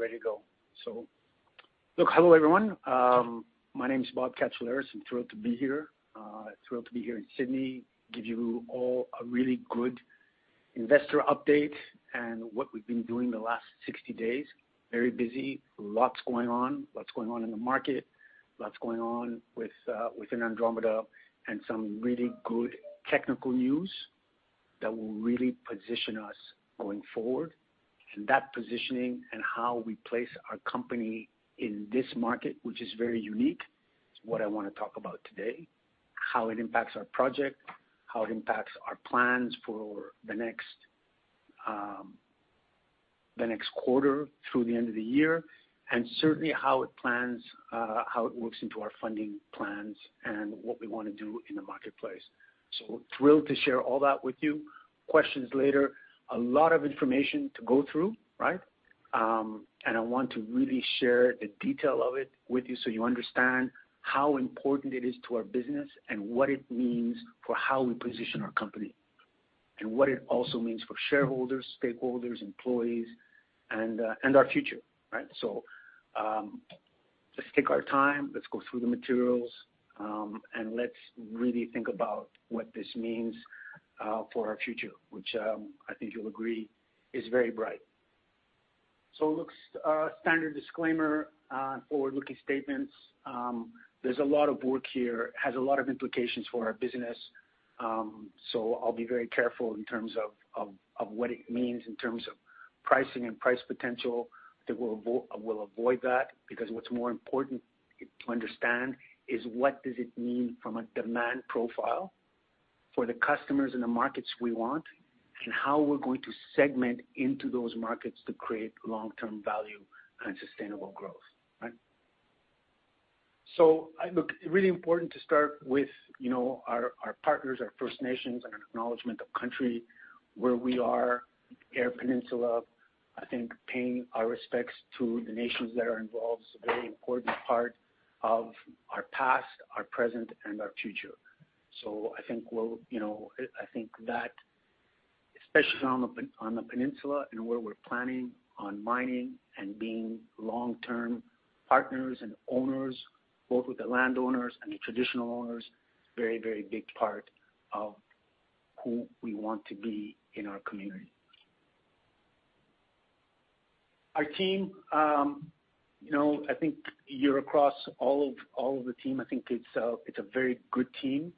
We're ready to go. Look, hello, everyone. My name is Bob Katsiouleris. I'm thrilled to be here, thrilled to be here in Sydney, give you all a really good investor update and what we've been doing the last 60 days. Very busy, lots going on, lots going on in the market, lots going on with within Andromeda, and some really good technical news that will really position us going forward. That positioning and how we place our company in this market, which is very unique, is what I want to talk about today, how it impacts our project, how it impacts our plans for the next, the next quarter through the end of the year, and certainly how it plans, how it works into our funding plans and what we want to do in the marketplace. Thrilled to share all that with you. Questions later. A lot of information to go through, right? And I want to really share the detail of it with you so you understand how important it is to our business and what it means for how we position our company, and what it also means for shareholders, stakeholders, employees, and our future, right? Let's take our time, let's go through the materials, and let's really think about what this means for our future, which I think you'll agree, is very bright. Look, standard disclaimer on forward-looking statements. There's a lot of work here, has a lot of implications for our business, I'll be very careful in terms of what it means in terms of pricing and price potential, that we'll avoid that, because what's more important to understand is what does it mean from a demand profile for the customers and the markets we want, and how we're going to segment into those markets to create long-term value and sustainable growth, right? Look, really important to start with, you know, our partners, our First Nations, and an acknowledgment of country where we are, Eyre Peninsula. I think paying our respects to the nations that are involved is a very important part of our past, our present, and our future. I think we'll, you know, I think that, especially on the Peninsula and where we're planning on mining and being long-term partners and owners, both with the landowners and the traditional owners, is a very, very big part of who we want to be in our community. Our team, you know, I think you're across all of the team. I think it's a very good team.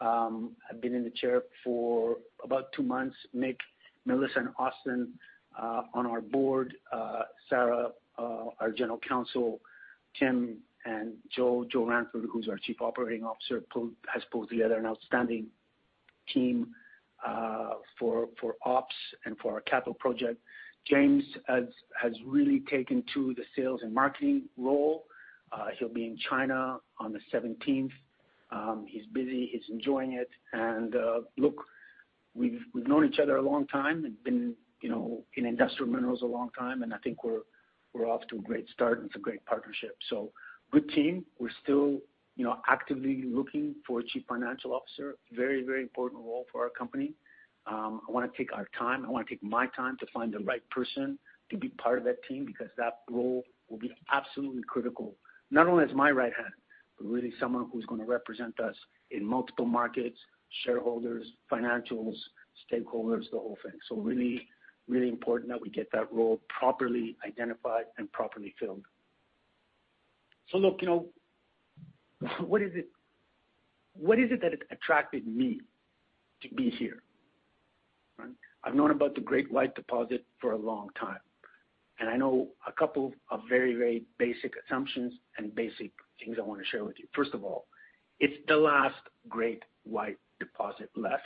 I've been in the chair for about two months. Nick, Melissa, and Austen on our board, Sarah, our General Counsel, Tim and Joe Ranford, who's our Chief Operating Officer, has pulled together an outstanding team for ops and for our capital project. James has really taken to the sales and marketing role. He'll be in China on the 17th. He's busy, he's enjoying it, and we've known each other a long time and been in industrial minerals a long time, and I think we're off to a great start, and it's a great partnership. Good team. We're still actively looking for a chief financial officer. Very important role for our company. I wanna take my time to find the right person to be part of that team, because that role will be absolutely critical, not only as my right hand, but really someone who's gonna represent us in multiple markets, shareholders, financials, stakeholders, the whole thing. Really important that we get that role properly identified and properly filled. What is it that attracted me to be here? I've known about the Great White deposit for a long time, and I know a couple of very, very basic assumptions and basic things I want to share with you. First of all, it's the last Great White deposit left.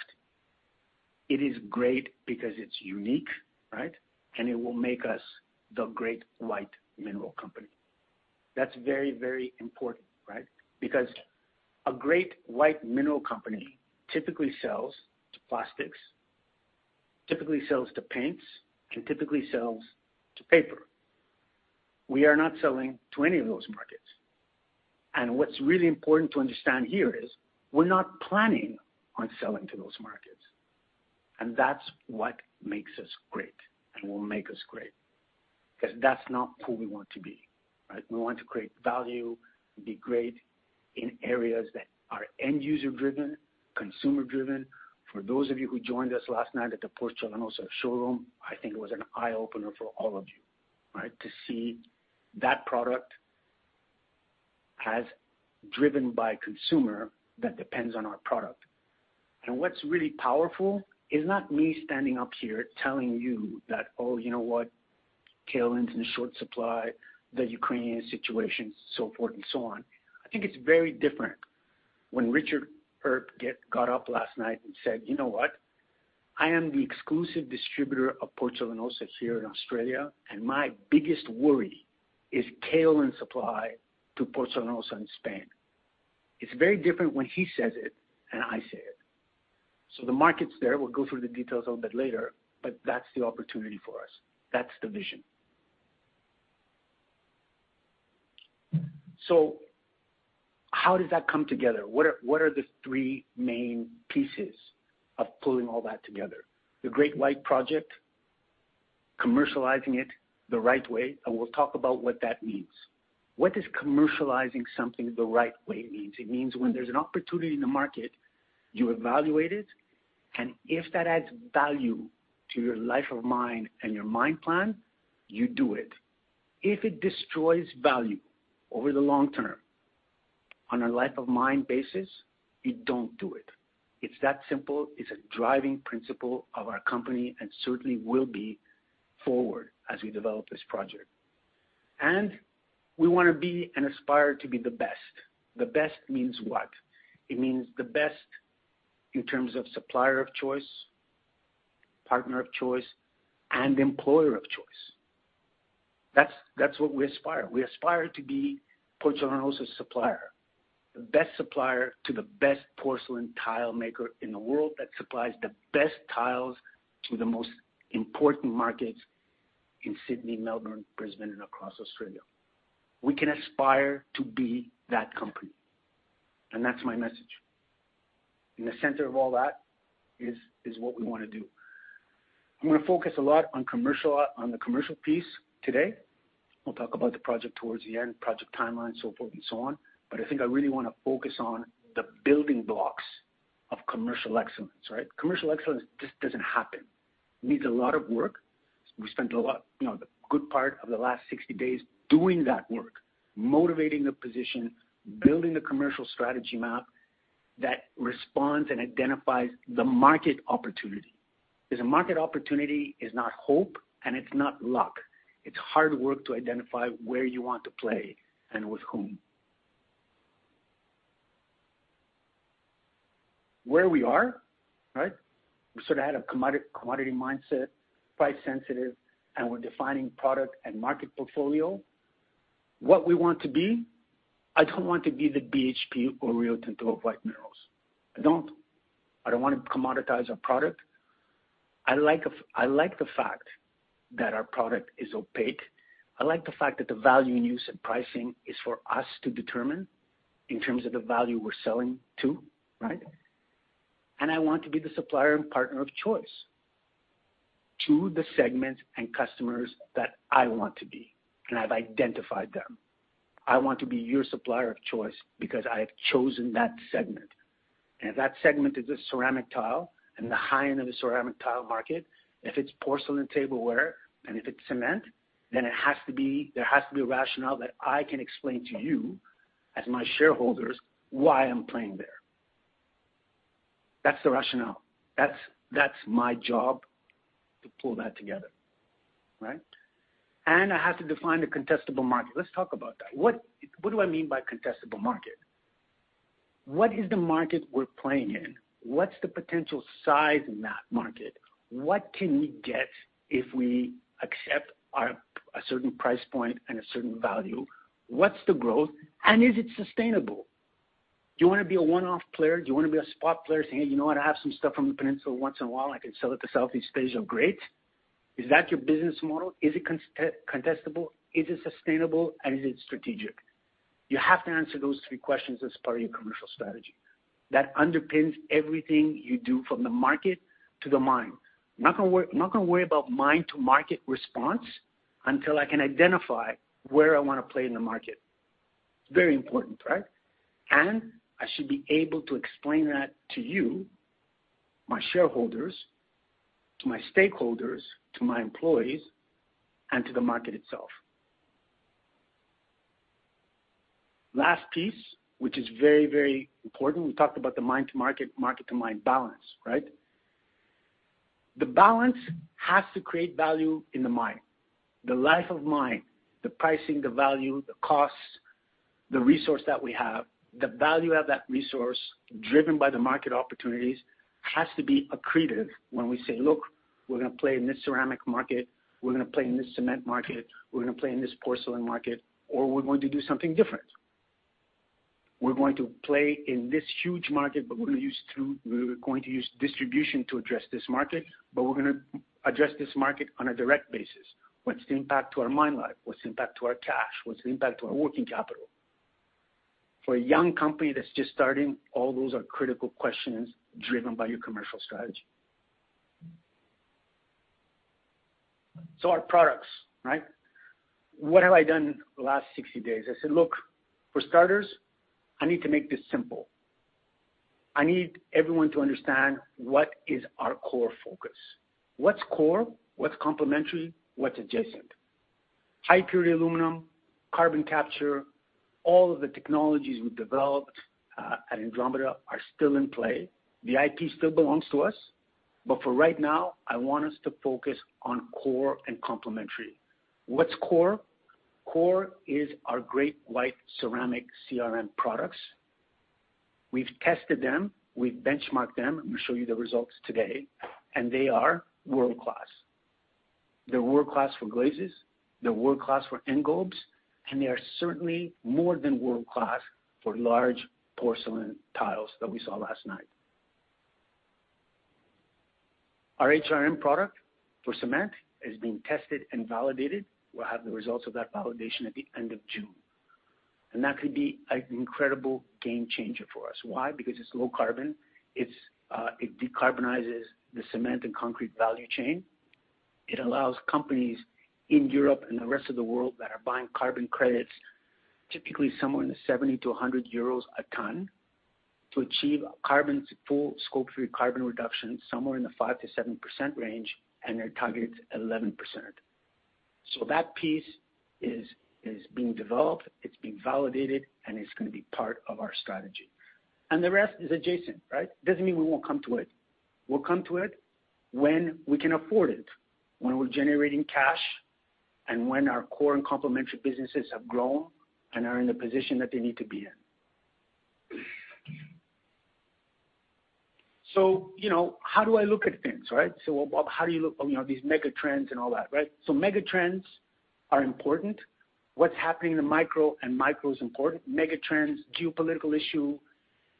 It is great because it's unique, right? It will make us the Great White mineral company. That's very, very important, right? A Great White mineral company typically sells to plastics, typically sells to paints, and typically sells to paper. We are not selling to any of those markets. What's really important to understand here is, we're not planning on selling to those markets. That's what makes us great and will make us great, because that's not who we want to be, right? We want to create value and be great in areas that are end-user driven, consumer driven. For those of you who joined us last night at the Porcelanosa showroom, I think it was an eye-opener for all of you, right? To see that product as driven by consumer, that depends on our product. What's really powerful is not me standing up here telling you that, "Oh, you know what? Kaolin's in short supply, the Ukrainian situation," so forth and so on. I think it's very different when Richard Earp got up last night and said, "You know what? I am the exclusive distributor of Porcelanosa here in Australia, and my biggest worry is kaolin supply to Porcelanosa in Spain." It's very different when he says it and I say it. The market's there. We'll go through the details a little bit later, that's the opportunity for us. That's the vision. How does that come together? What are the three main pieces of pulling all that together? The Great White Project, commercializing it the right way, and we'll talk about what that means. What does commercializing something the right way means? It means when there's an opportunity in the market, you evaluate it, and if that adds value to your life of mine and your mine plan, you do it. If it destroys value over the long term on a life of mine basis, you don't do it. It's that simple. It's a driving principle of our company and certainly will be forward as we develop this project. We wanna be and aspire to be the best. The best means what? It means the best in terms of supplier of choice, partner of choice, and employer of choice. That's what we aspire. We aspire to be Porcelanosa supplier, the best supplier to the best porcelain tile maker in the world, that supplies the best tiles to the most important markets in Sydney, Melbourne, Brisbane, and across Australia. We can aspire to be that company. That's my message. In the center of all that, is what we wanna do. I'm gonna focus a lot on commercial, on the commercial piece today. We'll talk about the project towards the end, project timeline, so forth and so on. I think I really wanna focus on the building blocks of commercial excellence, right? Commercial excellence just doesn't happen. It needs a lot of work. We spent a lot, you know, the good part of the last 60 days doing that work, motivating the position, building the commercial strategy map that responds and identifies the market opportunity. A market opportunity is not hope, and it's not luck. It's hard work to identify where you want to play and with whom. Where we are, right? We sort of had a commodity mindset, price sensitive, and we're defining product and market portfolio. What we want to be, I don't want to be the BHP or Rio Tinto of white minerals. I don't. I don't wanna commoditize our product. I like the fact that our product is opaque. I like the fact that the value in use of pricing is for us to determine in terms of the value we're selling to, right? I want to be the supplier and partner of choice to the segments and customers that I want to be, and I've identified them. I want to be your supplier of choice because I have chosen that segment, and that segment is a ceramic tile and the high end of the ceramic tile market. If it's porcelain tableware, and if it's cement, then there has to be a rationale that I can explain to you, as my shareholders, why I'm playing there. That's the rationale. That's my job to pull that together, right? I have to define the contestable market. Let's talk about that. What do I mean by contestable market? What is the market we're playing in? What's the potential size in that market? What can we get if we accept a certain price point and a certain value? What's the growth, and is it sustainable? Do you wanna be a one-off player? Do you wanna be a spot player, saying, "Hey, you know what? I have some stuff from the peninsula. Once in a while, I can sell it to Southeast Asia." Great. Is that your business model? Is it contestable? Is it sustainable, and is it strategic? You have to answer those three questions as part of your commercial strategy. That underpins everything you do from the market to the mine. I'm not gonna worry about mine to market response until I can identify where I wanna play in the market. Very important, right? I should be able to explain that to you, my shareholders, to my stakeholders, to my employees, and to the market itself. Last piece, which is very important, we talked about the mine to market to mine balance, right? The balance has to create value in the mine, the life of mine, the pricing, the value, the costs, the resource that we have, the value of that resource, driven by the market opportunities, has to be accretive when we say: Look, we're gonna play in this ceramic market, we're gonna play in this cement market, we're gonna play in this porcelain market, or we're going to do something different. We're going to play in this huge market, but we're gonna use distribution to address this market, but we're gonna address this market on a direct basis. What's the impact to our mine life? What's the impact to our cash? What's the impact to our working capital? For a young company that's just starting, all those are critical questions driven by your commercial strategy. Our products, right? What have I done the last 60 days? I said, "Look, for starters, I need to make this simple. I need everyone to understand what is our core focus. What's core? What's complementary? What's adjacent?" High-purity alumina, carbon capture, all of the technologies we've developed at Andromeda are still in play. The IP still belongs to us. For right now, I want us to focus on core and complementary. What's core? Core is our Great White ceramic CRM products. We've tested them. We've benchmarked them. I'm gonna show you the results today. They are world-class. They're world-class for glazes, they're world-class for engobes. They are certainly more than world-class for large porcelain tiles that we saw last night.... Our HRM product for cement is being tested and validated. We'll have the results of that validation at the end of June, that could be an incredible game changer for us. Why? Because it's low carbon. It decarbonizes the cement and concrete value chain. It allows companies in Europe and the rest of the world that are buying carbon credits, typically somewhere in the 70-100 euros a ton, to achieve full Scope 3 carbon reduction, somewhere in the 5%-7% range, and their target is 11%. That piece is being developed, it's being validated, and it's gonna be part of our strategy. The rest is adjacent, right? Doesn't mean we won't come to it. We'll come to it when we can afford it, when we're generating cash, and when our core and complementary businesses have grown and are in the position that they need to be in. You know, how do I look at things, right? What, how do you look, you know, these megatrends and all that, right? Megatrends are important. What's happening in the micro, and micro is important. Megatrends, geopolitical issue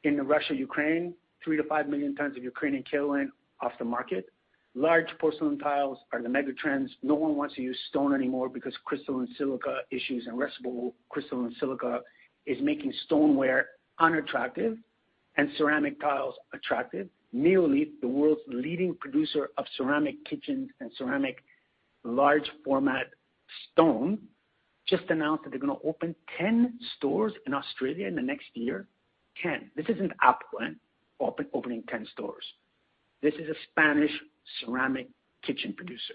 in Russia, Ukraine, 3 million-5 million tons of Ukrainian kaolin off the market. Large porcelain tiles are the megatrends. No one wants to use stone anymore because crystalline silica issues and respirable crystalline silica is making stoneware unattractive and ceramic tiles attractive. Neolith, the world's leading producer of ceramic kitchens and ceramic large format stone, just announced that they're gonna open 10 stores in Australia in the next year. 10. This isn't Apple, opening 10 stores. This is a Spanish ceramic kitchen producer,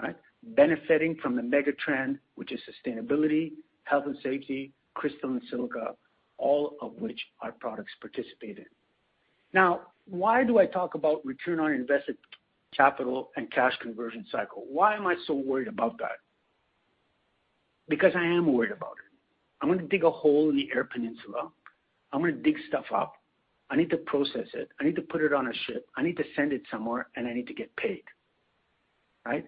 right? Benefiting from the megatrend, which is sustainability, health and safety, crystalline silica, all of which our products participate in. Why do I talk about return on invested capital and cash conversion cycle? Why am I so worried about that? I am worried about it. I'm gonna dig a hole in the Eyre Peninsula. I'm gonna dig stuff up. I need to process it. I need to put it on a ship. I need to send it somewhere, and I need to get paid, right?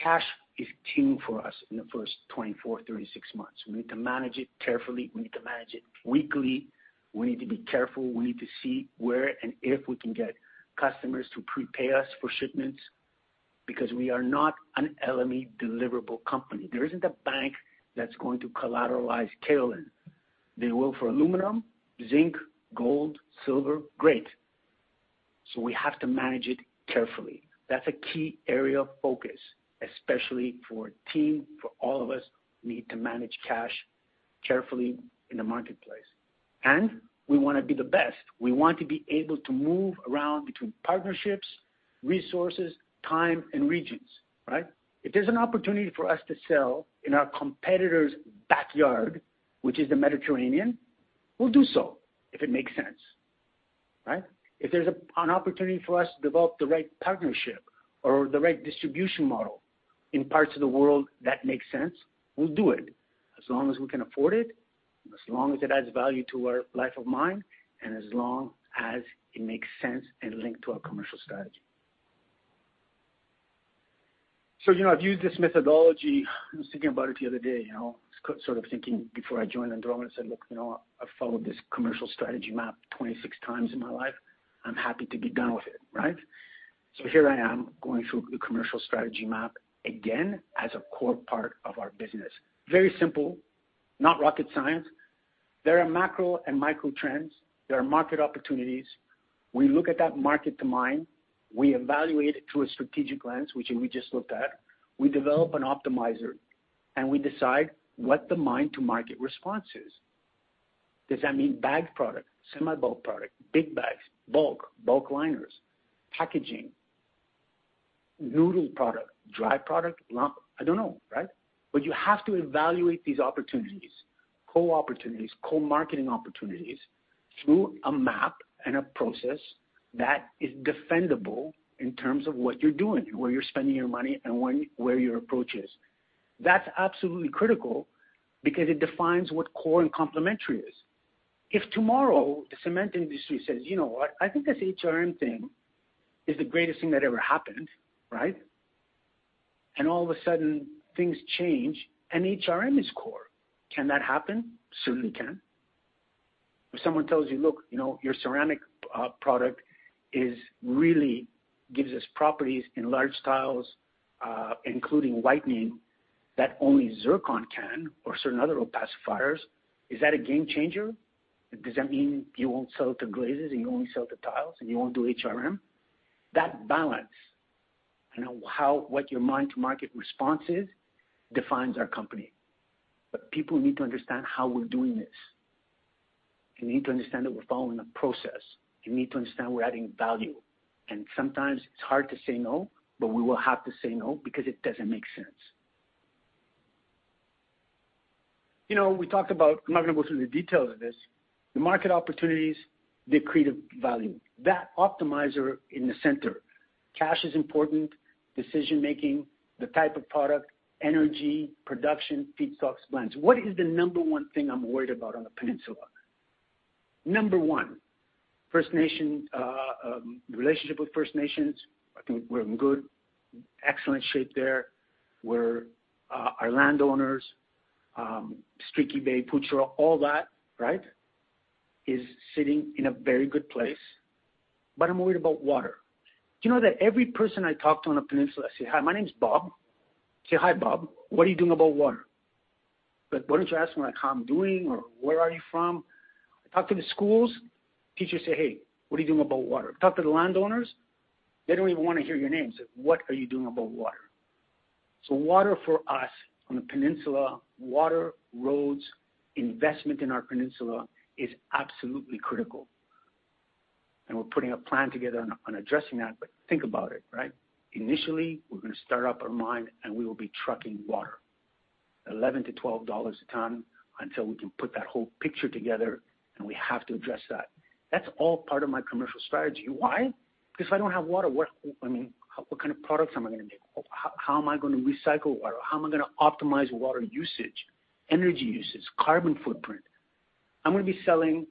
Cash is king for us in the first 24, 36 months. We need to manage it carefully. We need to manage it weekly. We need to be careful. We need to see where and if we can get customers to prepay us for shipments, because we are not an LME deliverable company. There isn't a bank that's going to collateralize kaolin. They will for aluminum, zinc, gold, silver, great. We have to manage it carefully. That's a key area of focus, especially for team, for all of us, we need to manage cash carefully in the marketplace. We want to be the best. We want to be able to move around between partnerships, resources, time, and regions, right? If there's an opportunity for us to sell in our competitor's backyard, which is the Mediterranean, we'll do so if it makes sense, right? If there's an opportunity for us to develop the right partnership or the right distribution model in parts of the world that makes sense, we'll do it as long as we can afford it, as long as it adds value to our life of mine, and as long as it makes sense and linked to our commercial strategy. You know, I've used this methodology. I was thinking about it the other day, you know, sort of thinking before I joined Andromeda, I said: Look, you know, I've followed this commercial strategy map 26 times in my life. I'm happy to be done with it, right? Here I am, going through the commercial strategy map again as a core part of our business. Very simple, not rocket science. There are macro and micro trends. There are market opportunities. We look at that market to mine, we evaluate it through a strategic lens, which we just looked at. We develop an optimizer, and we decide what the mine-to-market response is. Does that mean bagged product, semi-bulk product, big bags, bulk liners, packaging, noodle product, dry product? I don't know, right? You have to evaluate these opportunities, co-opportunities, co-marketing opportunities, through a map and a process that is defendable in terms of what you're doing, where you're spending your money, and where your approach is. That's absolutely critical because it defines what core and complementary is. If tomorrow the cement industry says, "You know what? I think this HRM thing is the greatest thing that ever happened," right? All of a sudden, things change and HRM is core. Can that happen? Certainly can. If someone tells you, "Look, you know, your ceramic product is really gives us properties in large tiles, including whitening, that only zircon can or certain other opacifiers," is that a game changer? Does that mean you won't sell to glazers, and you only sell to tiles and you won't do HRM? That balance and how, what your mine-to-market response is, defines our company. People need to understand how we're doing this. You need to understand that we're following a process. You need to understand we're adding value. Sometimes it's hard to say no, but we will have to say no because it doesn't make sense. You know, we talked about I'm not going to go through the details of this. The market opportunities, they create a value. That optimizer in the center, cash is important, decision-making, the type of product, energy, production, feedstocks, blends. What is the number one thing I'm worried about on the Eyre Peninsula? Number one, First Nations, relationship with First Nations. I think we're in good, excellent shape there, where our landowners, Streaky Bay, Poochera, all that, right, is sitting in a very good place, but I'm worried about water. Do you know that every person I talk to on the peninsula, I say, "Hi, my name is Bob." Say, "Hi, Bob, what are you doing about water?" Why don't you ask me, like, how I'm doing, or where are you from? I talk to the schools. Teachers say, "Hey, what are you doing about water?" Talk to the landowners. They don't even wanna hear your name. Say, "What are you doing about water?" Water for us on the peninsula, water, roads, investment in our peninsula is absolutely critical. We're putting a plan together on addressing that. Think about it, right? Initially, we're gonna start up our mine, and we will be trucking water. 11-12 dollars a ton until we can put that whole picture together, and we have to address that. That's all part of my commercial strategy. Why? If I don't have water, I mean, what kind of products am I gonna make? How am I gonna recycle water? How am I gonna optimize water usage, energy usage, carbon footprint? I'm gonna be selling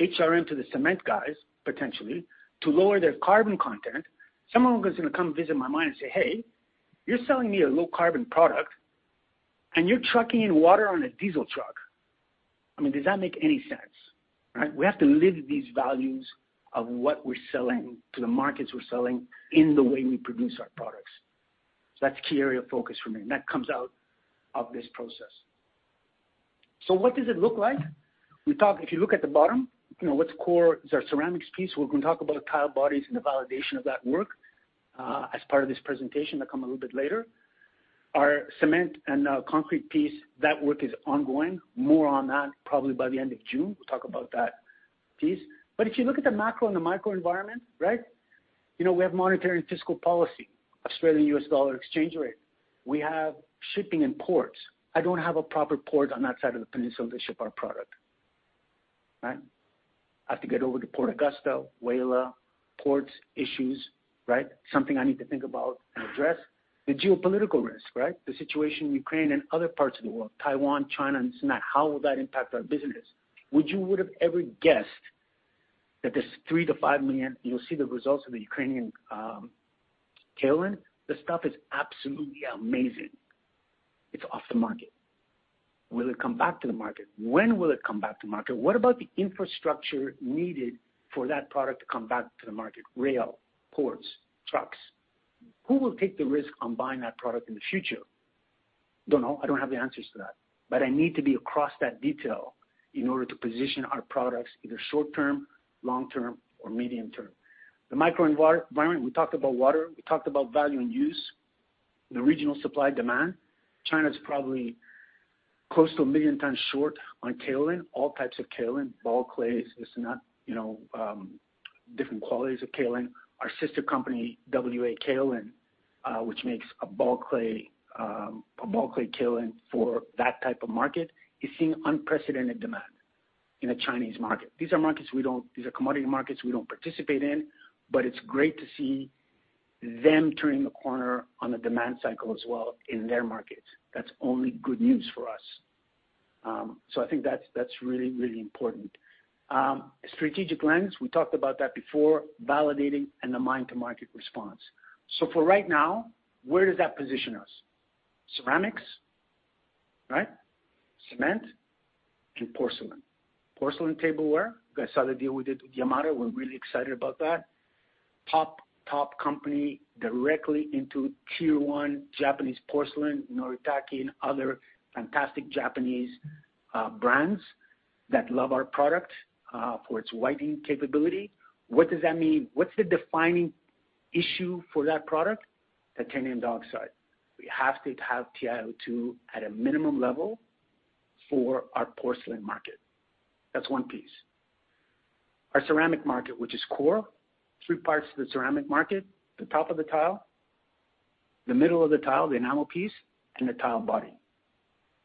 HRM to the cement guys, potentially, to lower their carbon content. Someone is gonna come visit my mine and say, "Hey, you're selling me a low carbon product, and you're trucking in water on a diesel truck." I mean, does that make any sense, right? We have to live these values of what we're selling to the markets we're selling in the way we produce our products. That's a key area of focus for me, and that comes out of this process. What does it look like? If you look at the bottom, you know, what's core is our ceramics piece. We're gonna talk about tile bodies and the validation of that work, as part of this presentation that come a little bit later. Our cement and concrete piece, that work is ongoing. More on that, probably by the end of June. We'll talk about that piece. If you look at the macro and the microenvironment, right, you know, we have monetary and fiscal policy, Australian U.S. dollar exchange rate. We have shipping and ports. I don't have a proper port on that side of the peninsula to ship our product, right? I have to get over to Port Augusta, Whyalla, ports issues, right? Something I need to think about and address. The geopolitical risk, right? The situation in Ukraine and other parts of the world, Taiwan, China, and whatnot. How will that impact our business? Would you have ever guessed that this 3 million-5 million... You'll see the results of the Ukrainian kaolin. This stuff is absolutely amazing. It's off the market. Will it come back to the market? When will it come back to market? What about the infrastructure needed for that product to come back to the market: rail, ports, trucks? Who will take the risk on buying that product in the future? Don't know. I don't have the answers to that. I need to be across that detail in order to position our products, either short term, long term, or medium term. The micro environment, we talked about water, we talked about value in use, the regional supply demand. China's probably close to 1 million times short on kaolin, all types of kaolin, ball clays. It's not, you know, different qualities of kaolin. Our sister company, WA Kaolin, which makes a ball clay, a ball clay kaolin for that type of market, is seeing unprecedented demand in the Chinese market. These are commodity markets we don't participate in, but it's great to see them turning the corner on the demand cycle as well in their markets. That's only good news for us. I think that's really important. Strategic lens, we talked about that before, validating and the mine-to-market response. For right now, where does that position us? Ceramics, right, cement, and porcelain. Porcelain tableware. You guys saw the deal we did with Planan Yamada. We're really excited about that. Top company directly into tier one, Japanese porcelain, Noritake, and other fantastic Japanese brands that love our product for its whitening capability. What does that mean? What's the defining issue for that product? The titanium dioxide. We have to have TiO2 at a minimum level for our porcelain market. That's one piece. Our ceramic market, which is core, three parts to the ceramic market, the top of the tile, the middle of the tile, the enamel piece, and the tile body,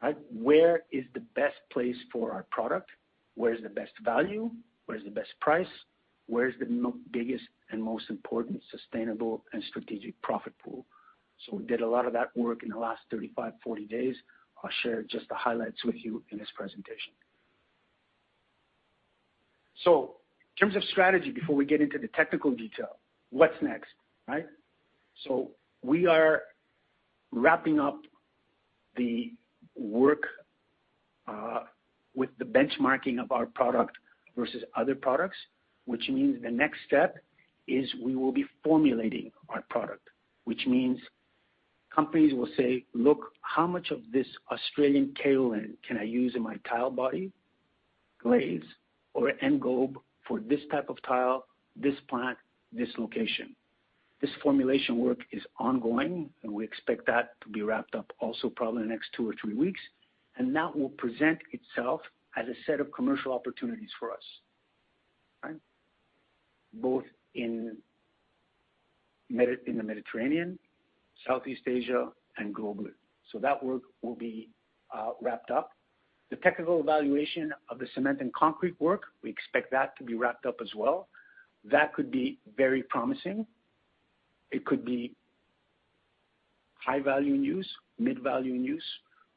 right? Where is the best place for our product? Where is the best value? Where is the best price? Where is the biggest and most important sustainable and strategic profit pool? We did a lot of that work in the last 35, 40 days. I'll share just the highlights with you in this presentation. In terms of strategy, before we get into the technical detail, what's next, right? We are wrapping up the work with the benchmarking of our product versus other products, which means the next step is we will be formulating our product. Which means companies will say, "Look, how much of this Australian kaolin can I use in my tile body, glaze, or engobe for this type of tile, this plant, this location?" This formulation work is ongoing, and we expect that to be wrapped up also probably in the next two or three weeks, and that will present itself as a set of commercial opportunities for us, right? Both in the Mediterranean, Southeast Asia, and globally. That work will be wrapped up. The technical evaluation of the cement and concrete work, we expect that to be wrapped up as well. That could be very promising. It could be high value in use, mid-value in use.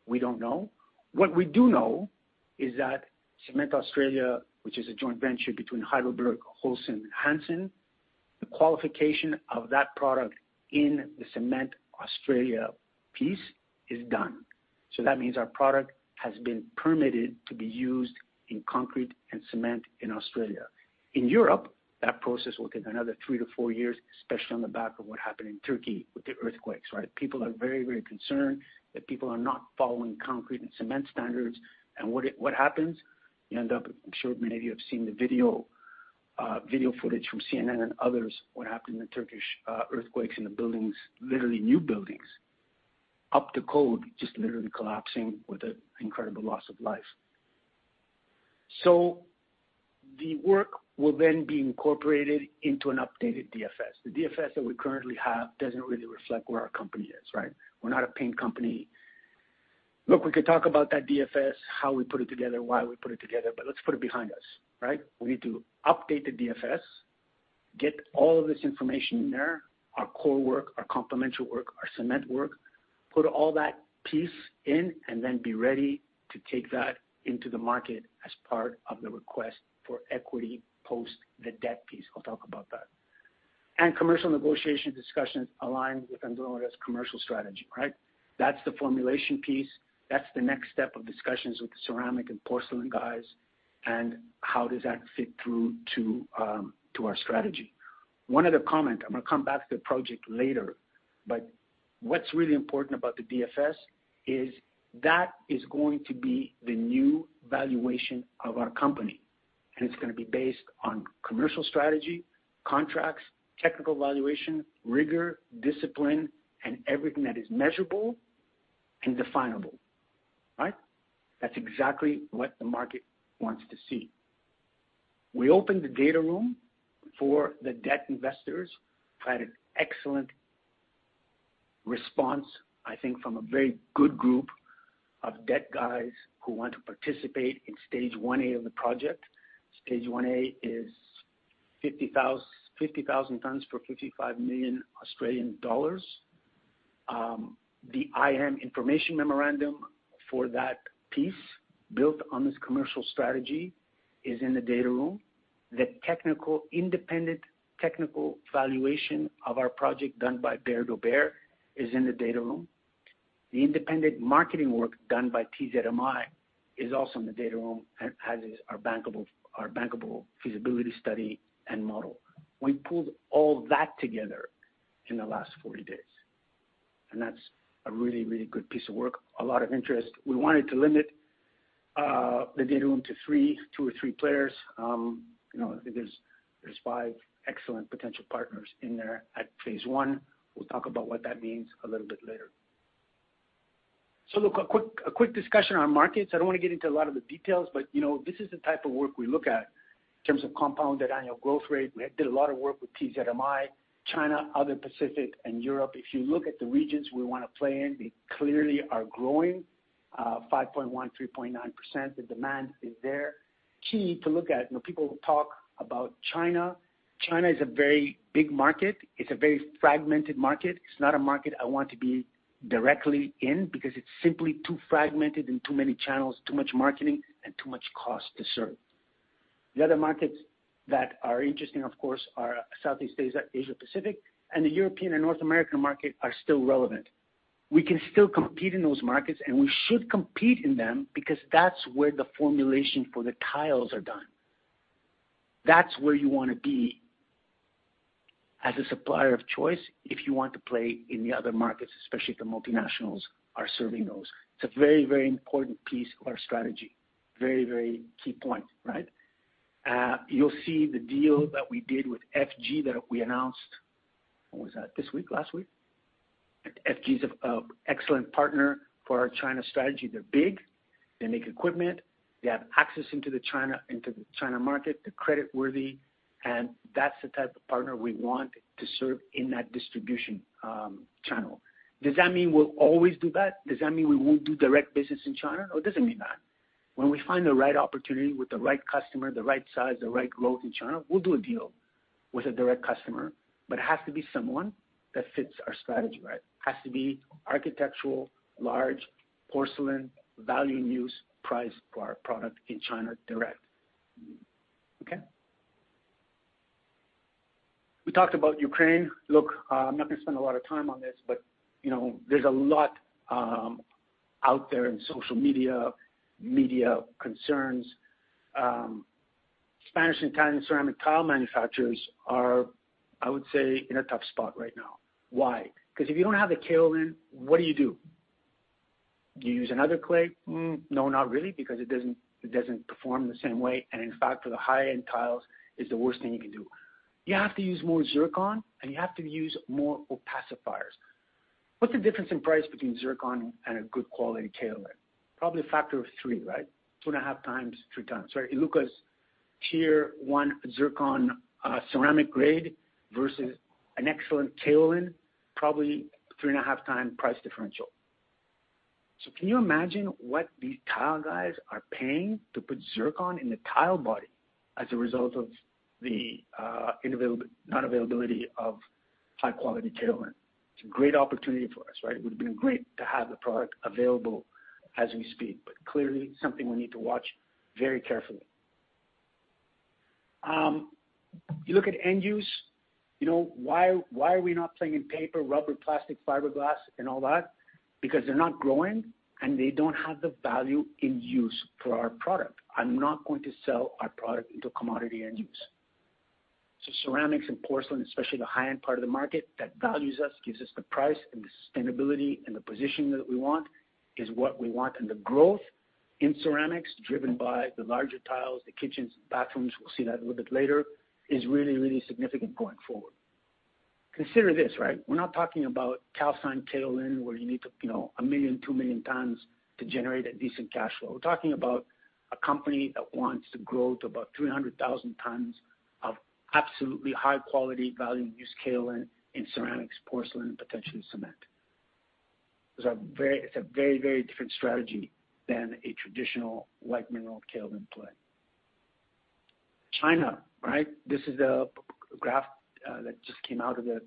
We don't know. What we do know is that Cement Australia, which is a joint venture between Heidelberg, Holcim, and Hanson. The qualification of that product in the Cement Australia piece is done. That means our product has been permitted to be used in concrete and cement in Australia. In Europe, that process will take another three to four years, especially on the back of what happened in Turkey with the earthquakes, right? People are very, very concerned that people are not following concrete and cement standards. And what happens? You end up, I'm sure many of you have seen the video footage from CNN and others, what happened in the Turkish earthquakes, and the buildings, literally new buildings, up to code, just literally collapsing with an incredible loss of life. The work will then be incorporated into an updated DFS. The DFS that we currently have doesn't really reflect where our company is, right? We're not a paint company. Look, we could talk about that DFS, how we put it together, why we put it together, but let's put it behind us, right? We need to update the DFS, get all of this information in there, our core work, our complementary work, our cement work, put all that piece in, and then be ready to take that into the market as part of the request for equity post the debt piece. I'll talk about that. Commercial negotiation discussions align with Andromeda's commercial strategy, right? That's the formulation piece. That's the next step of discussions with the ceramic and porcelain guys, and how does that fit through to our strategy. One other comment, I'm going to come back to the project later, what's really important about the DFS is that is going to be the new valuation of our company, and it's going to be based on commercial strategy, contracts, technical valuation, rigor, discipline, and everything that is measurable and definable, right? That's exactly what the market wants to see. We opened the data room for the debt investors, had an excellent response, I think, from a very good group of debt guys who want to participate in Stage 1A of the project. Stage 1A is 50,000 tons for AUD 55 million. The IM, information memorandum, for that piece built on this commercial strategy is in the data room. The technical, independent technical valuation of our project done by Behre Dolbear is in the data room. The independent marketing work done by TZMI is also in the data room, as is our bankable feasibility study and model. We pulled all that together in the last 40 days, and that's a really, really good piece of work. A lot of interest. We wanted to limit the data room to three, two or three players. you know, there's five excellent potential partners in there at phase I. We'll talk about what that means a little bit later. look, a quick discussion on markets. I don't want to get into a lot of the details, but, you know, this is the type of work we look at in terms of compounded annual growth rate. We did a lot of work with TZMI, China, other Pacific and Europe. If you look at the regions we want to play in, we clearly are growing, 5.1%, 3.9%. The demand is there. Key to look at, you know, people talk about China. China is a very big market. It's a very fragmented market. It's not a market I want to be directly in because it's simply too fragmented and too many channels, too much marketing, and too much cost to serve. The other markets that are interesting, of course, are Southeast Asia Pacific, and the European and North American market are still relevant. We can still compete in those markets, and we should compete in them because that's where the formulation for the tiles are done. That's where you want to be as a supplier of choice if you want to play in the other markets, especially if the multinationals are serving those. It's a very, very important piece of our strategy. Very, very key point, right? You'll see the deal that we did with FG that we announced. When was that? This week, last week? FG is a excellent partner for our China strategy. They're big, they make equipment, they have access into the China, into the China market. They're credit worthy, and that's the type of partner we want to serve in that distribution channel. Does that mean we'll always do that? Does that mean we won't do direct business in China? No, it doesn't mean that. When we find the right opportunity with the right customer, the right size, the right growth in China, we'll do a deal with a direct customer. It has to be someone that fits our strategy, right? It has to be architectural, large, porcelain, value in use priced for our product in China, direct. Okay? We talked about Ukraine. Look, I'm not gonna spend a lot of time on this, but, you know, there's a lot out there in social media concerns. Spanish and Italian ceramic tile manufacturers are, I would say, in a tough spot right now. Why? If you don't have the kaolin, what do you do? Do you use another clay? No, not really, because it doesn't perform the same way, and in fact, for the high-end tiles, it's the worst thing you can do. You have to use more zircon, and you have to use more opacifiers. What's the difference in price between zircon and a good quality kaolin? Probably a factor of three, right? Two and a half times, three times. Sorry, Iluka's Tier One zircon, ceramic grade versus an excellent kaolin, probably three and a half time price differential. Can you imagine what these tile guys are paying to put zircon in the tile body as a result of the not availability of kaolin? High quality kaolin. It's a great opportunity for us, right? It would have been great to have the product available as we speak, clearly something we need to watch very carefully. You look at end use, you know, why are we not playing in paper, rubber, plastic, fiberglass, and all that? They're not growing, and they don't have the value in use for our product. I'm not going to sell our product into commodity end use. Ceramics and porcelain, especially the high-end part of the market that values us, gives us the price and the sustainability and the positioning that we want, is what we want. The growth in ceramics, driven by the larger tiles, the kitchens, bathrooms, we'll see that a little bit later, is really, really significant going forward. Consider this, right? We're not talking about calcined kaolin, where you need to, you know, 1 million, 2 million tons to generate a decent cash flow. We're talking about a company that wants to grow to about 300,000 tons of absolutely high quality, value in use kaolin in ceramics, porcelain, and potentially cement. It's a very, very different strategy than a traditional light mineral kaolin play. China, right? This is a graph that just came out of the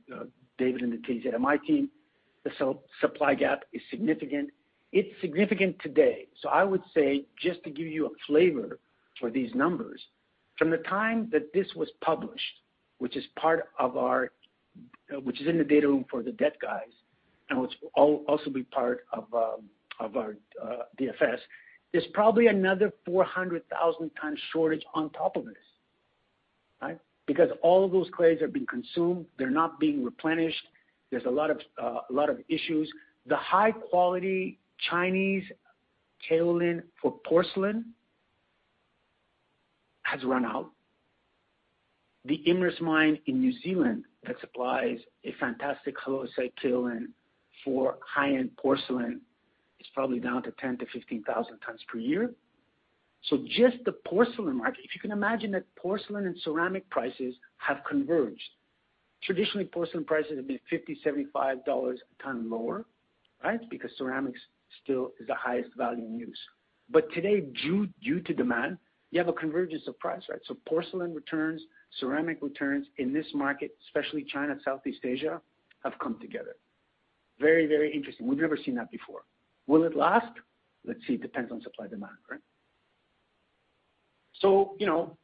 David and the TZMI team. The supply gap is significant. It's significant today. I would say, just to give you a flavor for these numbers, from the time that this was published, which is part of our, which is in the data room for the debt guys, and will also be part of our DFS, there's probably another 400,000 ton shortage on top of this, right? Because all of those clays have been consumed. They're not being replenished. There's a lot of issues. The high quality Chinese kaolin for porcelain has run out. The Imerys Mine in New Zealand, that supplies a fantastic halloysite kaolin for high-end porcelain, is probably down to 10,000-15,000 tons per year. Just the porcelain market, if you can imagine that porcelain and ceramic prices have converged. Traditionally, porcelain prices have been $50-$75 a ton lower, right? Because ceramics still is the highest value in use. Today, due to demand, you have a convergence of price, right? Porcelain returns, ceramic returns in this market, especially China, Southeast Asia, have come together. Very, very interesting. We've never seen that before. Will it last? Let's see. It depends on supply, demand, right? You know,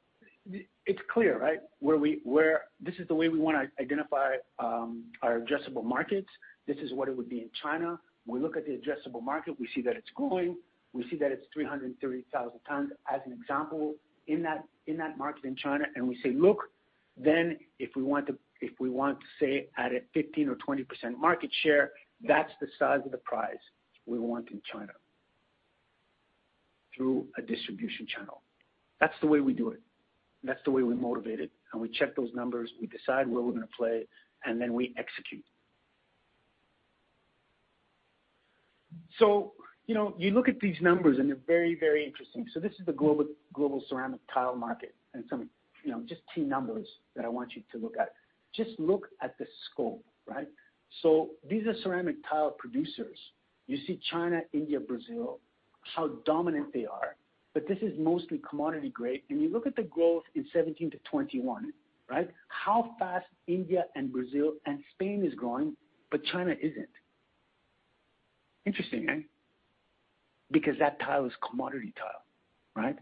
it's clear, right? Where this is the way we wanna identify our addressable markets. This is what it would be in China. When we look at the addressable market, we see that it's growing. We see that it's 330,000 tons, as an example, in that, in that market in China. We say, look, then if we want to, if we want to say, at a 15% or 20% market share, that's the size of the prize we want in China through a distribution channel. That's the way we do it. That's the way we're motivated. We check those numbers, we decide where we're going to play, and then we execute. You know, you look at these numbers, and they're very, very interesting. This is the global ceramic tile market. Some, you know, just key numbers that I want you to look at. Just look at the scope, right? These are ceramic tile producers. You see China, India, Brazil, how dominant they are. This is mostly commodity grade. You look at the growth in 2017 to 2021, right? How fast India and Brazil and Spain is growing, but China isn't. Interesting, eh? That tile is commodity tile, right?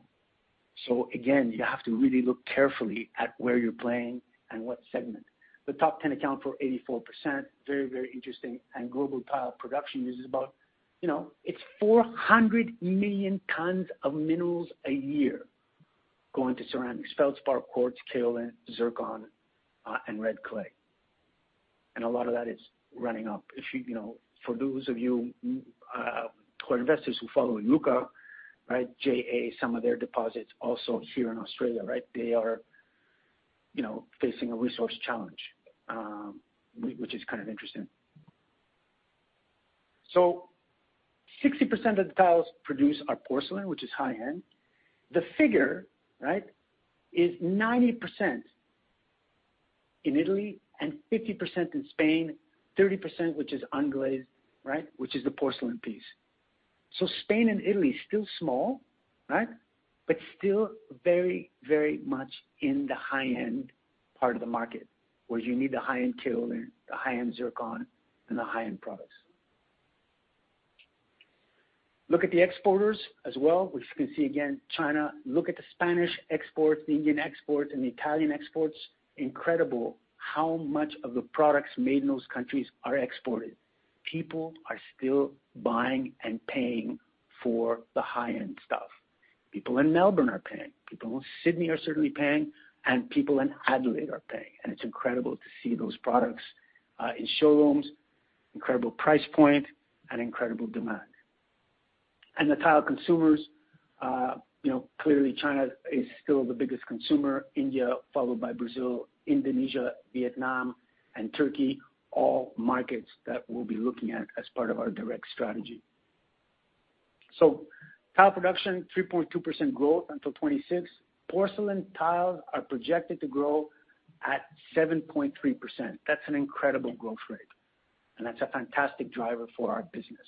Again, you have to really look carefully at where you're playing and what segment. The top 10 account for 84%. Very, very interesting. Global tile production, this is about, you know, it's 400 million tons of minerals a year going to ceramics, feldspar, quartz, kaolin, zircon, and red clay. A lot of that is running up. If you know, for those of you who are investors who follow Iluka, right? JA, some of their deposits also here in Australia, right? They are, you know, facing a resource challenge, which is kind of interesting. 60% of the tiles produced are porcelain, which is high end. The figure, right, is 90% in Italy and 50% in Spain, 30%, which is unglazed, right, which is the porcelain piece. Spain and Italy is still small, right? Still very, very much in the high-end part of the market, where you need the high-end kaolin, the high-end zircon, and the high-end products. Look at the exporters as well, which you can see again, China. Look at the Spanish exports, the Indian exports, and the Italian exports. Incredible how much of the products made in those countries are exported. People are still buying and paying for the high-end stuff. People in Melbourne are paying, people in Sydney are certainly paying, and people in Adelaide are paying. It's incredible to see those products in showrooms, incredible price point, and incredible demand. The tile consumers, you know, clearly China is still the biggest consumer. India, followed by Brazil, Indonesia, Vietnam, and Turkey, all markets that we'll be looking at as part of our direct strategy. Tile production, 3.2% growth until 2026. Porcelain tiles are projected to grow at 7.3%. That's an incredible growth rate, and that's a fantastic driver for our business.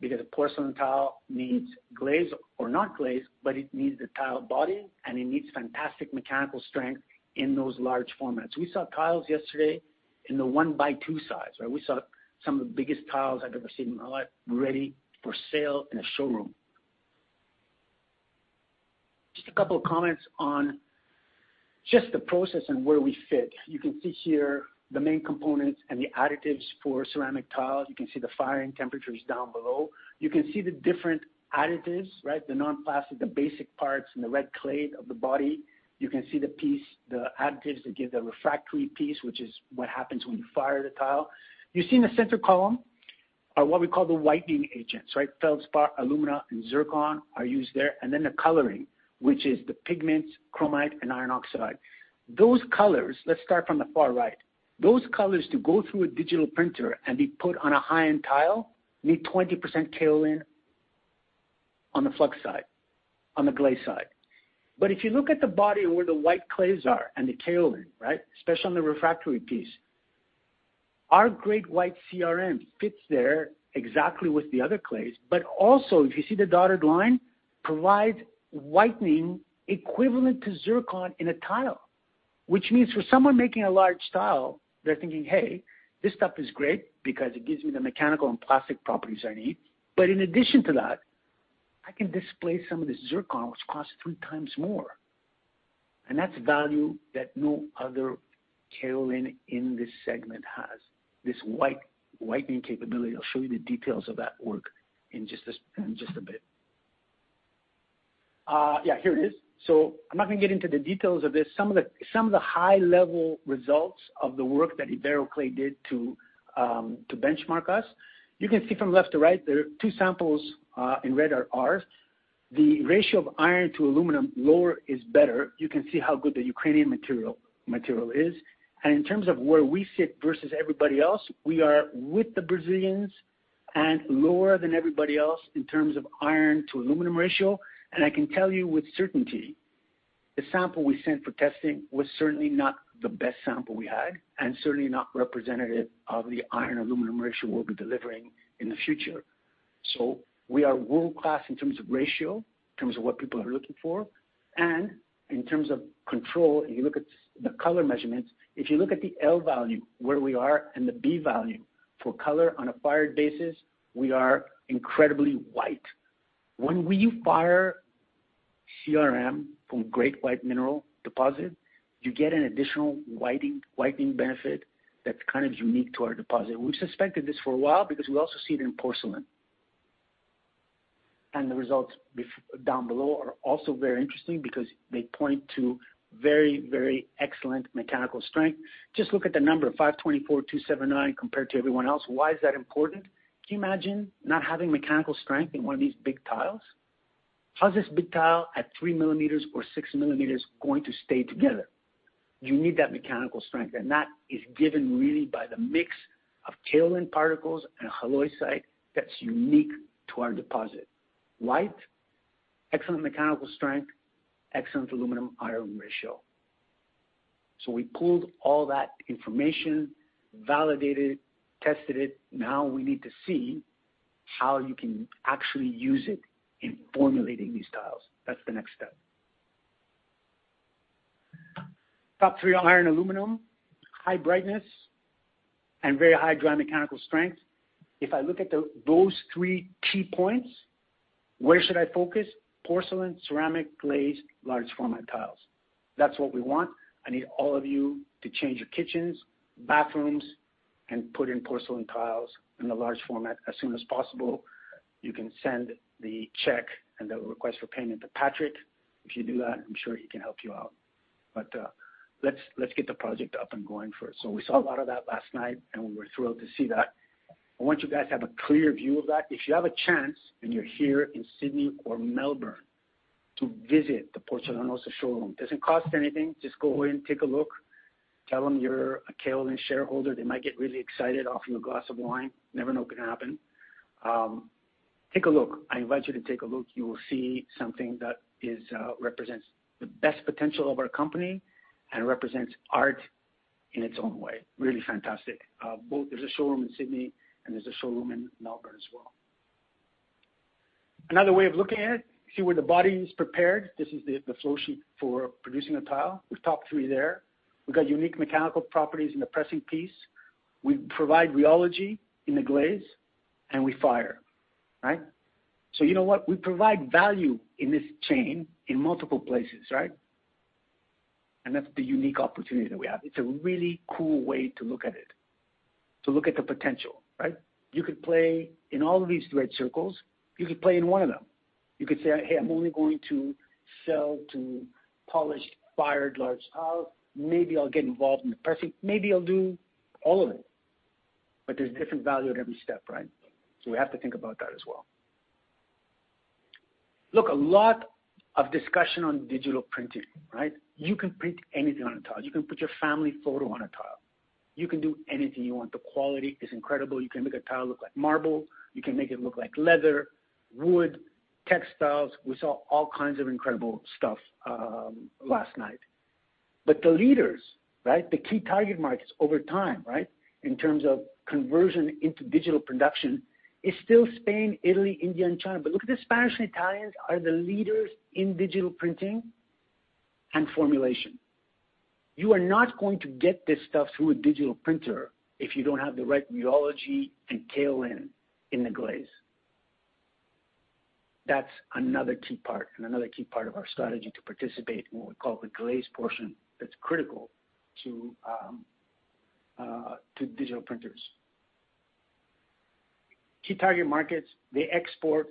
Because a porcelain tile needs glaze or not glaze, but it needs the tile body, and it needs fantastic mechanical strength in those large formats. We saw tiles yesterday in the 1x2 size, right? We saw some of the biggest tiles I've ever seen in my life, ready for sale in a showroom. Just a couple of comments on just the process and where we fit. You can see here the main components and the additives for ceramic tiles. You can see the firing temperatures down below. You can see the different additives, right? The non-plastic, the basic parts, and the red clay of the body. You can see the piece, the additives that give the refractory piece, which is what happens when you fire the tile. You see in the center column are what we call the whitening agents, right? Feldspar, alumina, and zircon are used there, and then the coloring, which is the pigments, chromite, and iron oxide. Those colors, let's start from the far right. Those colors, to go through a digital printer and be put on a high-end tile, need 20% kaolin on the flux side, on the glaze side. If you look at the body where the white clays are and the kaolin, right, especially on the refractory piece, our great white CRM fits there exactly with the other clays, but also, if you see the dotted line, provides whitening equivalent to zircon in a tile. For someone making a large tile, they're thinking, "Hey, this stuff is great because it gives me the mechanical and plastic properties I need. In addition to that, I can displace some of this zircon, which costs three times more." That's value that no other kaolin in this segment has, this whitening capability. I'll show you the details of that work in just a bit. Yeah, here it is. I'm not gonna get into the details of this. Some of the high-level results of the work that Iberoclay did to benchmark us. You can see from left to right, there are two samples, in red are ours. The ratio of iron to aluminum, lower is better. You can see how good the Ukrainian material is. In terms of where we sit versus everybody else, we are with the Brazilians and lower than everybody else in terms of iron to aluminum ratio. I can tell you with certainty, the sample we sent for testing was certainly not the best sample we had, and certainly not representative of the iron, aluminum ratio we'll be delivering in the future. We are world-class in terms of ratio, in terms of what people are looking for, and in terms of control, if you look at the color measurements. If you look at the L* value, where we are, and the b* value for color on a fired basis, we are incredibly white. When we fire CRM from Great White mineral deposit, you get an additional whitening benefit that's kind of unique to our deposit. We've suspected this for a while because we also see it in porcelain. The results down below are also very interesting because they point to very, very excellent mechanical strength. Just look at the number of 524, 279 compared to everyone else. Why is that important? Can you imagine not having mechanical strength in one of these big tiles? How is this big tile at 3 millimeters or 6 millimeters going to stay together? You need that mechanical strength, and that is given really by the mix of kaolin particles and halloysite that's unique to our deposit. White, excellent mechanical strength, excellent aluminum, iron ratio. We pulled all that information, validated, tested it. Now we need to see how you can actually use it in formulating these tiles. That's the next step. Top three, iron, aluminum, high brightness, and very high dry mechanical strength. If I look at those three key points, where should I focus? Porcelain, ceramic, glaze, large format tiles. That's what we want. I need all of you to change your kitchens, bathrooms, and put in porcelain tiles in a large format as soon as possible. You can send the check and the request for payment to Patrick. If you do that, I'm sure he can help you out. Let's get the project up and going first. We saw a lot of that last night, and we were thrilled to see that. I want you guys to have a clear view of that. If you have a chance, and you're here in Sydney or Melbourne, to visit the Porcelanosa showroom. Doesn't cost anything. Just go in, take a look, tell them you're a Kaolin shareholder. They might get really excited, offer you a glass of wine. Never know, it could happen. Take a look. I invite you to take a look. You will see something that represents the best potential of our company and represents art in its own way. Really fantastic. Both there's a showroom in Sydney, and there's a showroom in Melbourne as well. Another way of looking at it, see where the body is prepared. This is the flow sheet for producing a tile. With top three there. We've got unique mechanical properties in the pressing piece. We provide rheology in the glaze, and we fire, right? You know what? We provide value in this chain in multiple places, right? That's the unique opportunity that we have. It's a really cool way to look at it, to look at the potential, right? You could play in all of these red circles. You could play in one of them. You could say, "Hey, I'm only going to sell to polished, fired, large tiles. Maybe I'll get involved in the pressing. Maybe I'll do all of it." There's different value at every step, right? We have to think about that as well. Look, a lot of discussion on digital printing, right? You can print anything on a tile. You can put your family photo on a tile. You can do anything you want. The quality is incredible. You can make a tile look like marble. You can make it look like leather, wood, textiles. We saw all kinds of incredible stuff, last night.... The leaders, the key target markets over time, in terms of conversion into digital production, is still Spain, Italy, India, and China. Look at the Spanish and Italians are the leaders in digital printing and formulation. You are not going to get this stuff through a digital printer if you don't have the right rheology and kaolin in the glaze. That's another key part, and another key part of our strategy to participate in what we call the glaze portion, that's critical to digital printers. Key target markets, they export.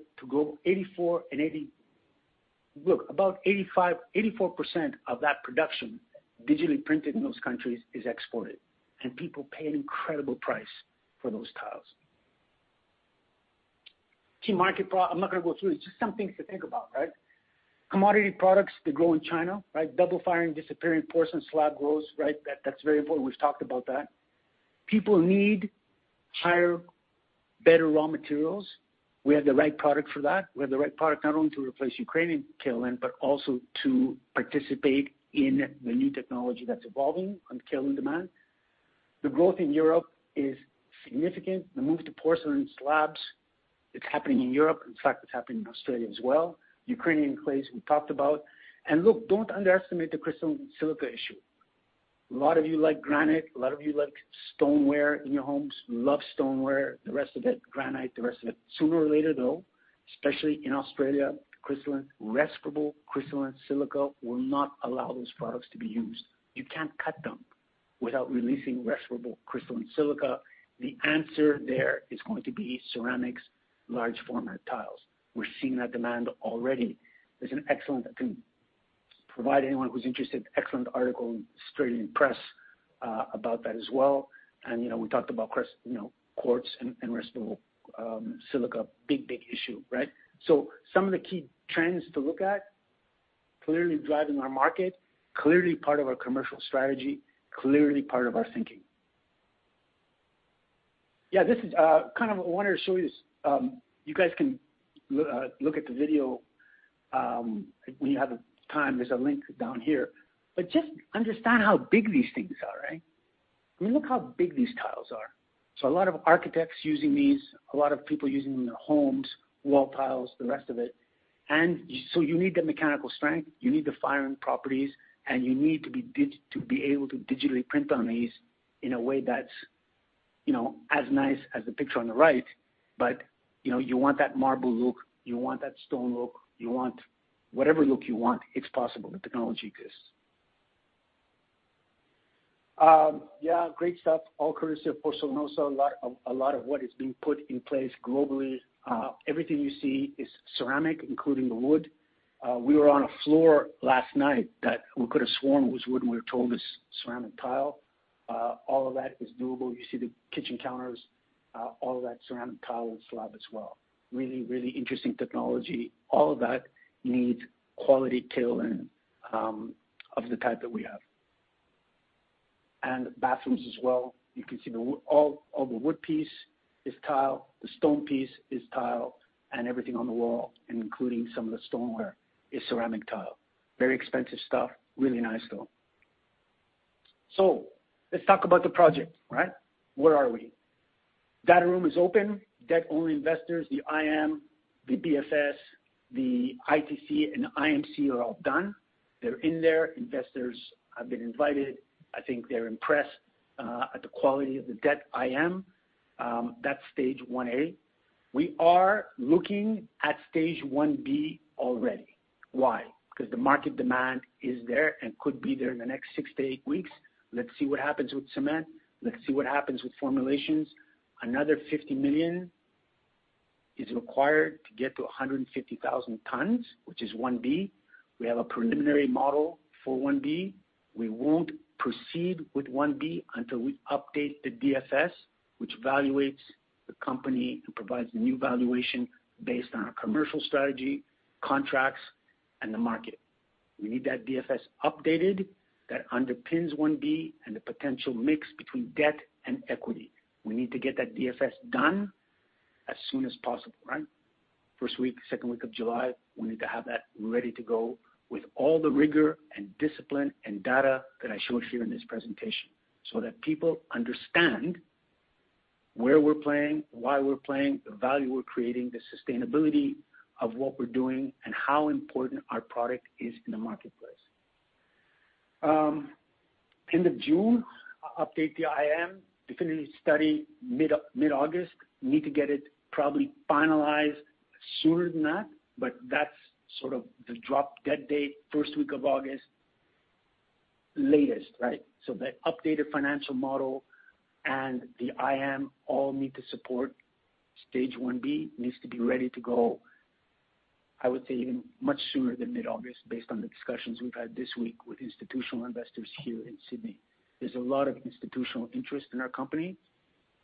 Look, about 85%, 84% of that production digitally printed in those countries is exported, and people pay an incredible price for those tiles. Key market. I'm not gonna go through it. It's just some things to think about. Commodity products, they grow in China. Double firing, disappearing porcelain slab grows, right? That's very important. We've talked about that. People need higher, better raw materials. We have the right product for that. We have the right product not only to replace Ukrainian kaolin, but also to participate in the new technology that's evolving on kaolin demand. The growth in Europe is significant. The move to porcelain slabs, it's happening in Europe. In fact, it's happening in Australia as well. Ukrainian clays, we talked about. Look, don't underestimate the crystalline silica issue. A lot of you like granite, a lot of you like stoneware in your homes. You love stoneware, the rest of it, granite, the rest of it. Sooner or later, though, especially in Australia, respirable crystalline silica will not allow those products to be used. You can't cut them without releasing respirable crystalline silica. The answer there is going to be ceramics, large format tiles. We're seeing that demand already. There's an excellent, I can provide anyone who's interested, excellent article in Australian Press about that as well. You know, we talked about you know, quartz and respirable silica. Big, big issue, right? Some of the key trends to look at, clearly driving our market, clearly part of our commercial strategy, clearly part of our thinking. This is, kind of I wanted to show you guys can look at the video when you have the time, there's a link down here. Just understand how big these things are, right? I mean, look how big these tiles are. A lot of architects using these, a lot of people using them in their homes, wall tiles, the rest of it. You need the mechanical strength, you need the firing properties, and you need to be able to digitally print on these in a way that's, you know, as nice as the picture on the right. You know, you want that marble look, you want that stone look, you want whatever look you want, it's possible. The technology exists. Yeah, great stuff. All cursive, PORCELANOSA, a lot of what is being put in place globally. Everything you see is ceramic, including the wood. We were on a floor last night that we could have sworn was wood, and we were told it's ceramic tile. All of that is doable. You see the kitchen counters, all of that ceramic tile slab as well. Really interesting technology. All of that needs quality kaolin, of the type that we have. Bathrooms as well, you can see the wood. All the wood piece is tile, the stone piece is tile, and everything on the wall, and including some of the stoneware, is ceramic tile. Very expensive stuff. Really nice, though. Let's talk about the project, right? Where are we? Data room is open. Debt only investors, the IM, the BFS, the ITC, and IMC are all done. They're in there. Investors have been invited. I think they're impressed at the quality of the debt IM. That's Stage 1A. We are looking at Stage 1B already. Why? Because the market demand is there and could be there in the next six to eight weeks. Let's see what happens with cement. Let's see what happens with formulations. Another 50 million is required to get to 150,000 tons, which is Stage 1B. We have a preliminary model for Stage 1B. We won't proceed with Stage 1B until we update the DFS, which evaluates the company and provides a new valuation based on our commercial strategy, contracts, and the market. We need that DFS updated, that underpins Stage 1B and the potential mix between debt and equity. We need to get that DFS done as soon as possible, right? First week, second week of July, we need to have that ready to go with all the rigor and discipline and data that I showed here in this presentation, so that people understand where we're playing, why we're playing, the value we're creating, the sustainability of what we're doing, and how important our product is in the marketplace. End of June, I'll update the IM. Definitive study, mid-August. We need to get it probably finalized sooner than that, but that's sort of the drop dead date, 1st week of August. Latest, right? The updated financial model and the IM all need to support Stage 1B, needs to be ready to go, I would say even much sooner than mid-August, based on the discussions we've had this week with institutional investors here in Sydney. There's a lot of institutional interest in our company.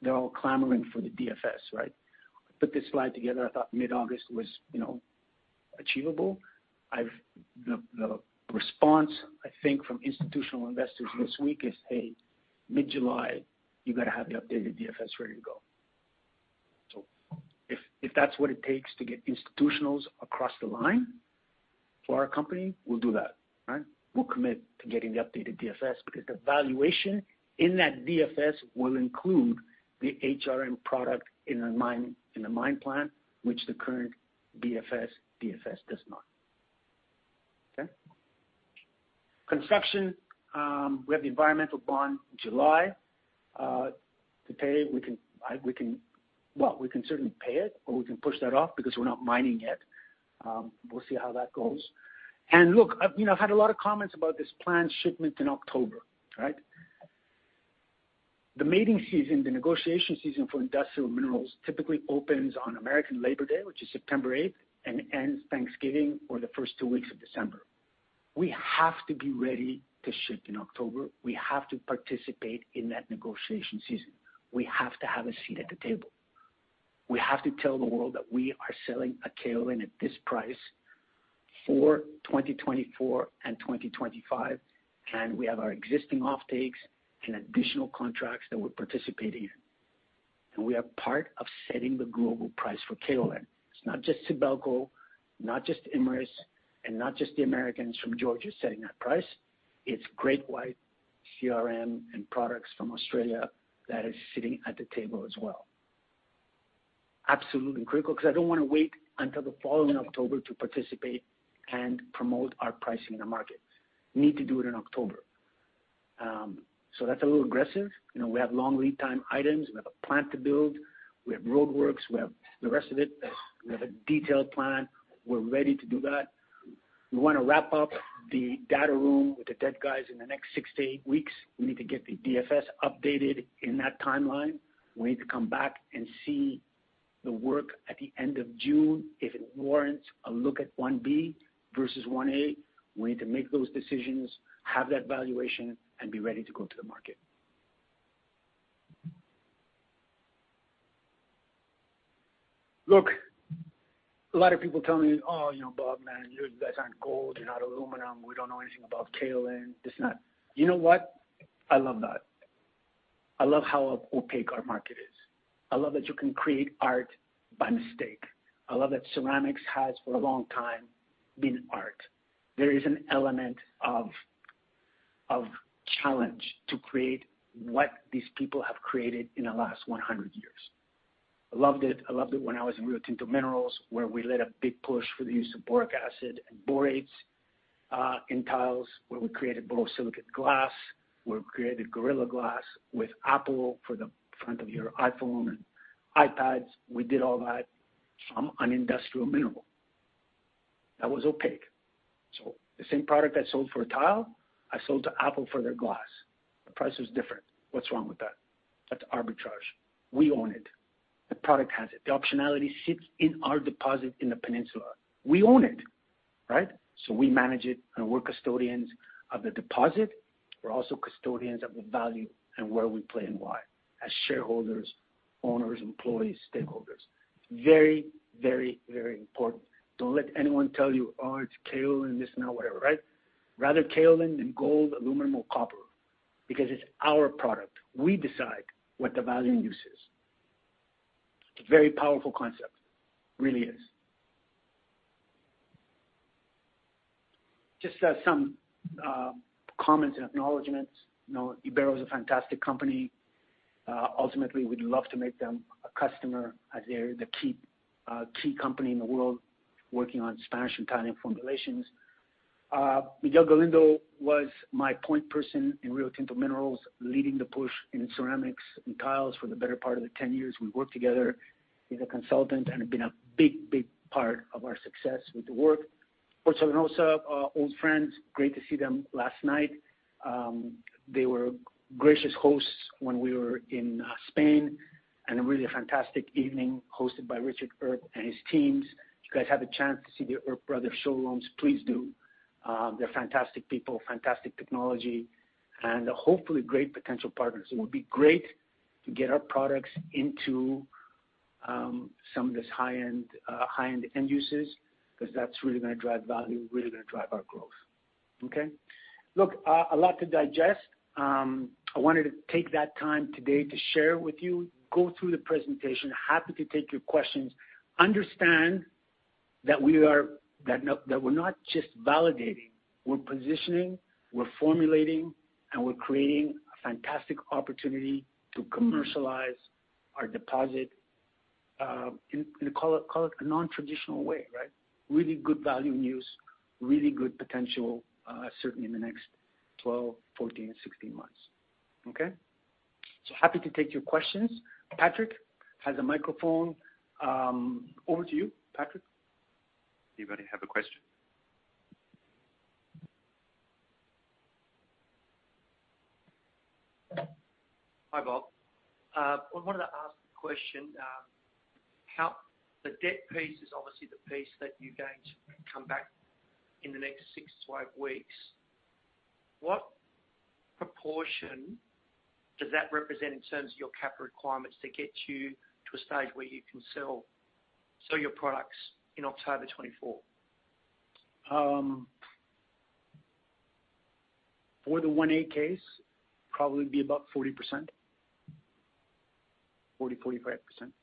They're all clamoring for the DFS, right? I put this slide together. I thought mid-August was, you know, achievable. The response, I think, from institutional investors this week is, "Hey, mid-July, you've got to have the updated DFS ready to go." If that's what it takes to get institutionals across the line for our company, we'll do that, right? We'll commit to getting the updated DFS because the valuation in that DFS will include the HRM product in the mine plan, which the current DFS does not. Okay. Construction, we have the environmental bond in July to pay. Well, we can certainly pay it, or we can push that off because we're not mining yet. We'll see how that goes. Look, I've, you know, I've had a lot of comments about this planned shipment in October, right. The mating season, the negotiation season for industrial minerals typically opens on American Labor Day, which is September eighth, and ends Thanksgiving or the first two weeks of December. We have to be ready to ship in October. We have to participate in that negotiation season. We have to have a seat at the table. We have to tell the world that we are selling a kaolin at this price for 2024 and 2025. We have our existing offtakes and additional contracts that we're participating in. We are part of setting the global price for kaolin. It's not just Sibelco, not just Imerys, and not just the Americans from Georgia setting that price. It's Great White, CRM, and products from Australia that is sitting at the table as well. Absolutely critical, because I don't wanna wait until the fall in October to participate and promote our pricing in the market. We need to do it in October. That's a little aggressive. You know, we have long lead time items. We have a plant to build. We have roadworks. We have the rest of it. We have a detailed plan. We're ready to do that. We wanna wrap up the data room with the debt guys in the next six to eight weeks. We need to get the DFS updated in that timeline. We need to come back and see the work at the end of June. If it warrants a look at 1B versus 1A, we need to make those decisions, have that valuation, and be ready to go to the market. Look, a lot of people tell me, "Oh, you know, Bob, man, you guys aren't gold, you're not aluminum. We don't know anything about kaolin. This is not..." You know what? I love that. I love how opaque our market is. I love that you can create art by mistake. I love that ceramics has, for a long time, been art. There is an element of challenge to create what these people have created in the last 100 years. I loved it, I loved it when I was in Rio Tinto Minerals, where we led a big push for the use of boric acid and borates in tiles, where we created borosilicate glass, where we created Gorilla Glass with Apple for the front of your iPhone and iPads. We did all that from an industrial mineral. That was opaque. The same product I sold for a tile, I sold to Apple for their glass. The price was different. What's wrong with that? That's arbitrage. We own it. The product has it. The optionality sits in our deposit in the peninsula. We own it, right? We manage it, and we're custodians of the deposit. We're also custodians of the value and where we play and why, as shareholders, owners, employees, stakeholders. Very, very, very important. Don't let anyone tell you, "Oh, it's kaolin, this and that," whatever, right? Rather kaolin than gold, aluminum, or copper, because it's our product. We decide what the value use is. It's a very powerful concept. Really is. Just some comments and acknowledgments. You know, Ibero is a fantastic company. Ultimately, we'd love to make them a customer, as they're the key company in the world working on Spanish and Italian formulations. Miguel Galindo was my point person in Rio Tinto Minerals, leading the push in ceramics and tiles for the better part of the 10 years we worked together. He's a consultant and have been a big part of our success with the work. Porto Marinosa, our old friends, great to see them last night. They were gracious hosts when we were in Spain, a really fantastic evening hosted by Richard Earp and his teams. If you guys have a chance to see the Earp Brother showrooms, please do. They're fantastic people, fantastic technology, hopefully great potential partners. It would be great to get our products into some of this high-end, high-end end uses, because that's really gonna drive value, really gonna drive our growth. Okay? Look, a lot to digest. I wanted to take that time today to share with you, go through the presentation. Happy to take your questions. Understand that we are, that we're not just validating, we're positioning, we're formulating, and we're creating a fantastic opportunity to commercialize our deposit, in a, call it a non-traditional way, right? Really good value use, really good potential, certainly in the next 12, 14, 16 months. Okay? Happy to take your questions. Patrick has a microphone. Over to you, Patrick. Anybody have a question? Hi, Bob. I wanted to ask a question. The debt piece is obviously the piece that you're going to come back in the next six to eight weeks. What proportion does that represent in terms of your capital requirements to get you to a stage where you can sell your products in October 2024? for the One A case, probably be about 40%. 40%-45%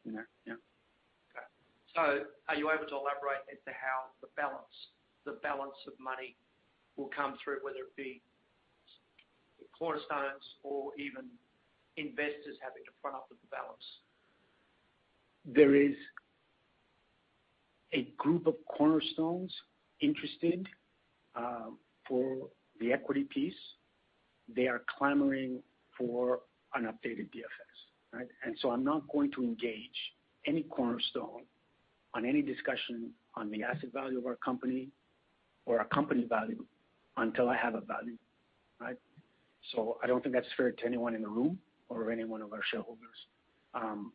in there. Yeah. Okay. Are you able to elaborate as to how the balance of money will come through, whether it be cornerstones or even investors having to front up with the balance? There is a group of cornerstones interested for the equity piece. They are clamoring for an updated DFS, right? I'm not going to engage any cornerstone on any discussion on the asset value of our company or our company value until I have a value, right? I don't think that's fair to anyone in the room or any one of our shareholders.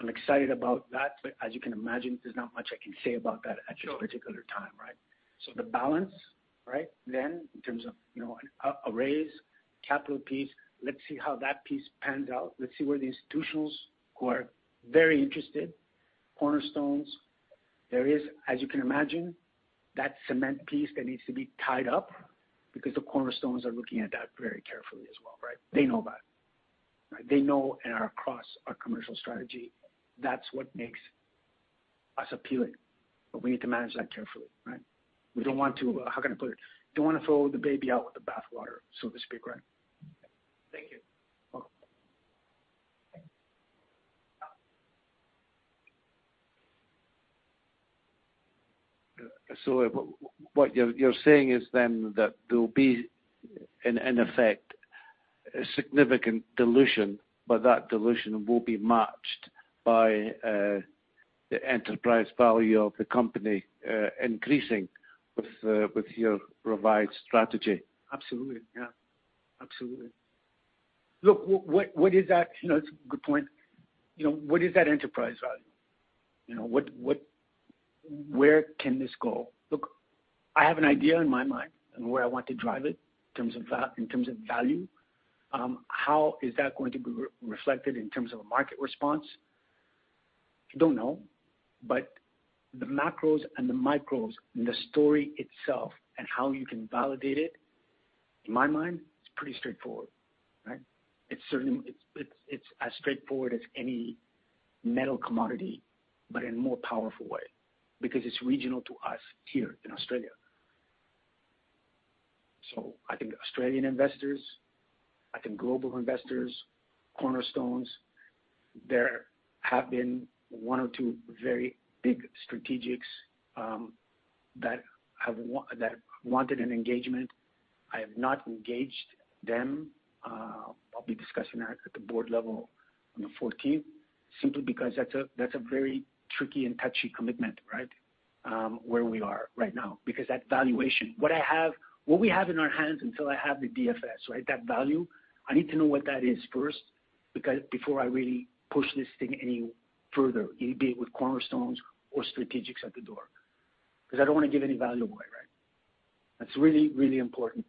I'm excited about that, but as you can imagine, there's not much I can say about that at this particular time, right? The balance, right, then, in terms of, you know, a raise, capital piece, let's see how that piece pans out. Let's see where the institutions, who are very interested, cornerstones. There is, as you can imagine, that cement piece that needs to be tied up because the cornerstones are looking at that very carefully as well, right? They know about it, right? They know and are across our commercial strategy. That's what makes us appealing. We need to manage that carefully, right? We don't want to, how can I put it? Don't want to throw the baby out with the bathwater, so to speak, right? Thank you. Welcome. What you're saying is then that there'll be, in effect, a significant dilution, but that dilution will be matched by the enterprise value of the company increasing with your revised strategy? Absolutely. Yeah, absolutely. What is that? You know, it's a good point. You know, what is that enterprise value? You know, where can this go? I have an idea in my mind on where I want to drive it in terms of value. How is that going to be re-reflected in terms of a market response? I don't know. The macros and the micros, and the story itself and how you can validate it, in my mind, it's pretty straightforward, right? It's certainly, it's as straightforward as any metal commodity, but in a more powerful way, because it's regional to us here in Australia. I think Australian investors, I think global investors, cornerstones, there have been one or two very big strategics that wanted an engagement. I have not engaged them. I'll be discussing that at the board level on the 14th, simply because that's a very tricky and touchy commitment, right? Where we are right now, because that valuation. What we have in our hands until I have the DFS, right, that value, I need to know what that is first, because before I really push this thing any further, either be it with cornerstones or strategics at the door, because I don't want to give any value away, right? That's really, really important.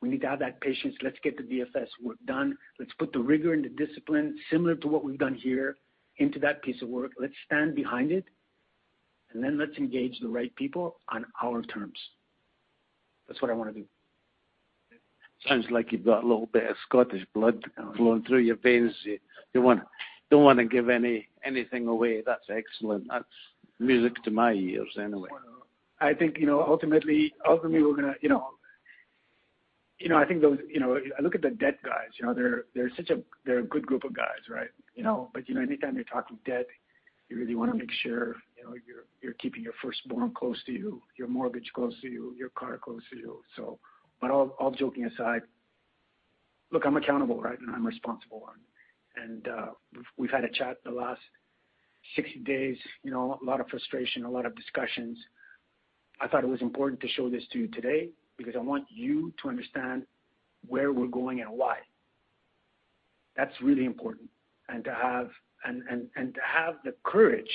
We need to have that patience. Let's get the DFS work done. Let's put the rigor and the discipline, similar to what we've done here, into that piece of work. Let's stand behind it. Then let's engage the right people on our terms. That's what I want to do. Sounds like you've got a little bit of Scottish blood flowing through your veins. You don't want to give anything away. That's excellent. That's music to my ears anyway. I think, you know, ultimately, we're gonna, you know. You know, I think those, you know, I look at the debt guys, you know, they're such a good group of guys, right? anytime you're talking debt, you really want to make sure, you know, you're keeping your firstborn close to you, your mortgage close to you, your car close to you. all joking aside, look, I'm accountable, right? I'm responsible. we've had a chat the last 60 days, you know, a lot of frustration, a lot of discussions. I thought it was important to show this to you today because I want you to understand where we're going and why. That's really important. to have the courage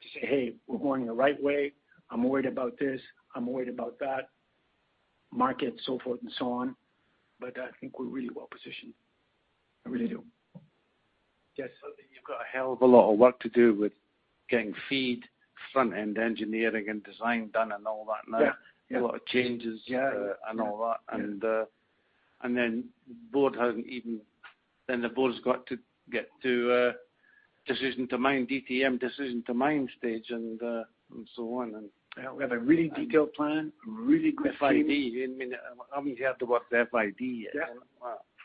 to say, "Hey, we're going the right way. I'm worried about this. I'm worried about that," market, so forth and so on. I think we're really well positioned. I really do. Yes? You've got a hell of a lot of work to do with getting FEED, front-end engineering, and design done and all that now. Yeah. A lot of changes. Yeah. All that. Yeah. The board hasn't even. The board's got to get to a decision to mine, DTM, decision to mine stage and so on. Yeah, we have a really detailed plan, really good team. FID. You haven't even had to work the FID yet.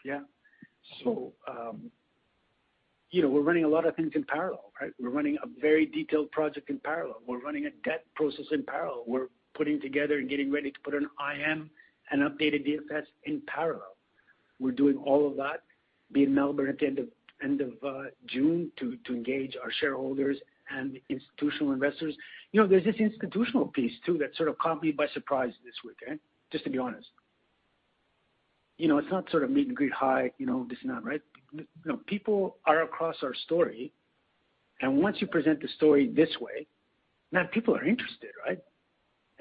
Yeah. Wow. You know, we're running a lot of things in parallel, right? We're running a very detailed project in parallel. We're running a debt process in parallel. We're putting together and getting ready to put an IM and updated DFS in parallel. We're doing all of that, be in Melbourne at the end of June to engage our shareholders and institutional investors. You know, there's this institutional piece, too, that sort of caught me by surprise this week, eh? Just to be honest. You know, it's not sort of meet and greet hi, you know, this is not right. You know, people are across our story, once you present the story this way, now people are interested, right?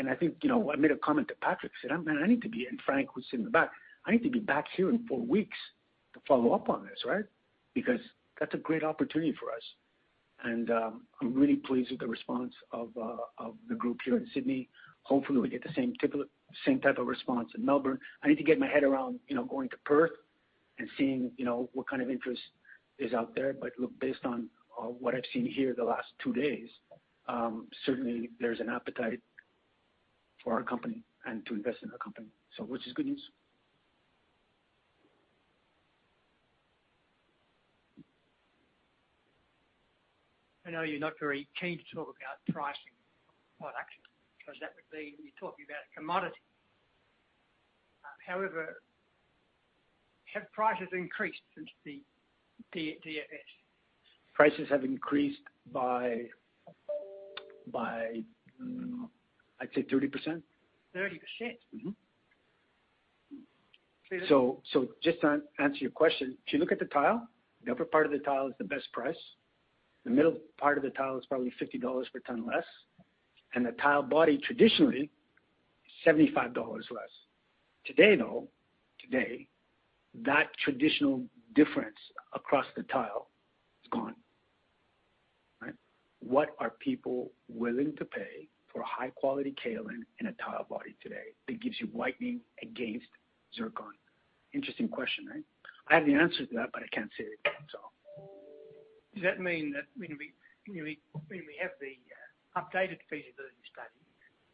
I think, you know, I made a comment to Patrick, said, "I, man, I need to be," and Frank, who's in the back, "I need to be back here in four weeks to follow up on this," right? That's a great opportunity for us. I'm really pleased with the response of the group here in Sydney. Hopefully, we get the same type of response in Melbourne. I need to get my head around, you know, going to Perth and seeing, you know, what kind of interest is out there. Look, based on what I've seen here the last two days, certainly there's an appetite for our company and to invest in our company. Which is good news. I know you're not very keen to talk about pricing products, because that would be you talking about a commodity. However, have prices increased since the DFS? Prices have increased by, I'd say 30%. 30%? Mm-hmm. So- Just to answer your question, if you look at the tile, the upper part of the tile is the best price. The middle part of the tile is probably 50 dollars per ton less, and the tile body, traditionally, 75 dollars less. Today, though, today, that traditional difference across the tile is gone, right? What are people willing to pay for a high-quality kaolin in a tile body today, that gives you whitening against zircon? Interesting question, right? I have the answer to that, but I can't say it, so. Does that mean that when we have the updated feasibility study,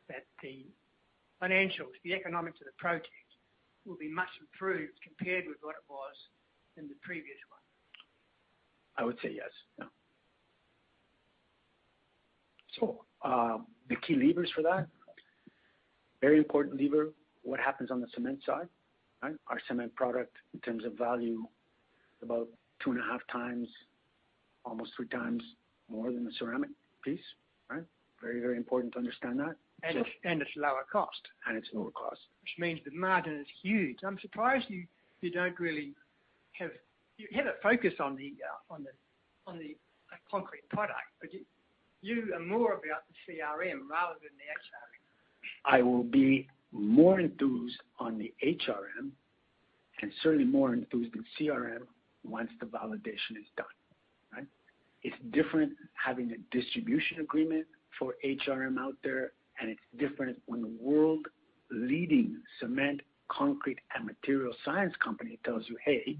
that the financials, the economics of the project, will be much improved compared with what it was in the previous one? I would say yes. Yeah. The key levers for that, very important lever, what happens on the cement side, right? Our cement product, in terms of value, is about two and a half times, almost three times more than the ceramic piece, right? Very, very important to understand that. It's lower cost. It's lower cost. Which means the margin is huge. You have a focus on the concrete product, but you are more about the CRM rather than the HRM. I will be more enthused on the HRM and certainly more enthused in CRM once the validation is done, right? It's different having a distribution agreement for HRM out there, and it's different when the world-leading cement, concrete, and material science company tells you, "Hey,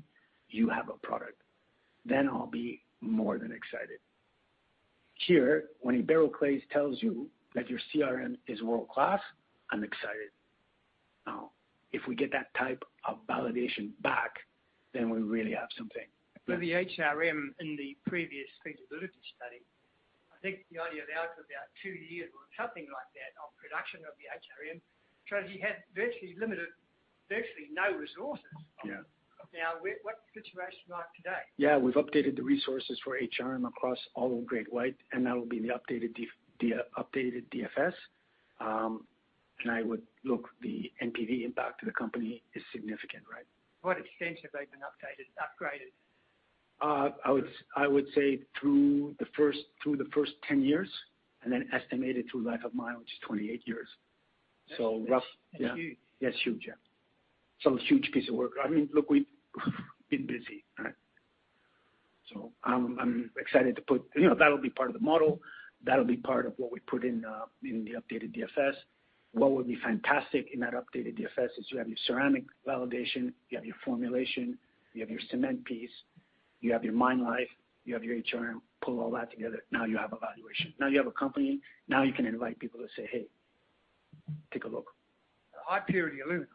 you have a product." I'll be more than excited. Here, when a ball clays tells you that your CRM is world-class, I'm excited. If we get that type of validation back, then we really have something. The HRM in the previous feasibility study, I think you only allowed for about two years or something like that, on production of the HRM. You had virtually limited, virtually no resources. Yeah. What's the situation like today? We've updated the resources for HRM across all of Great White, that will be in the updated DFS. Look, the NPV impact to the company is significant, right? What extent have they been updated, upgraded? I would say through the first, through the first 10 years, and then estimated to life of mine, which is 28 years. That's huge. Yeah. It's huge, yeah. Huge piece of work. I mean, look, we've been busy, right? I'm excited to put... You know, that'll be part of the model. That'll be part of what we put in in the updated DFS. What would be fantastic in that updated DFS is you have your ceramic validation, you have your formulation, you have your cement piece, you have your mine life, you have your HRM. Pull all that together, now you have a valuation. Now you have a company. Now you can invite people to say, "Hey, take a look. The high-purity alumina,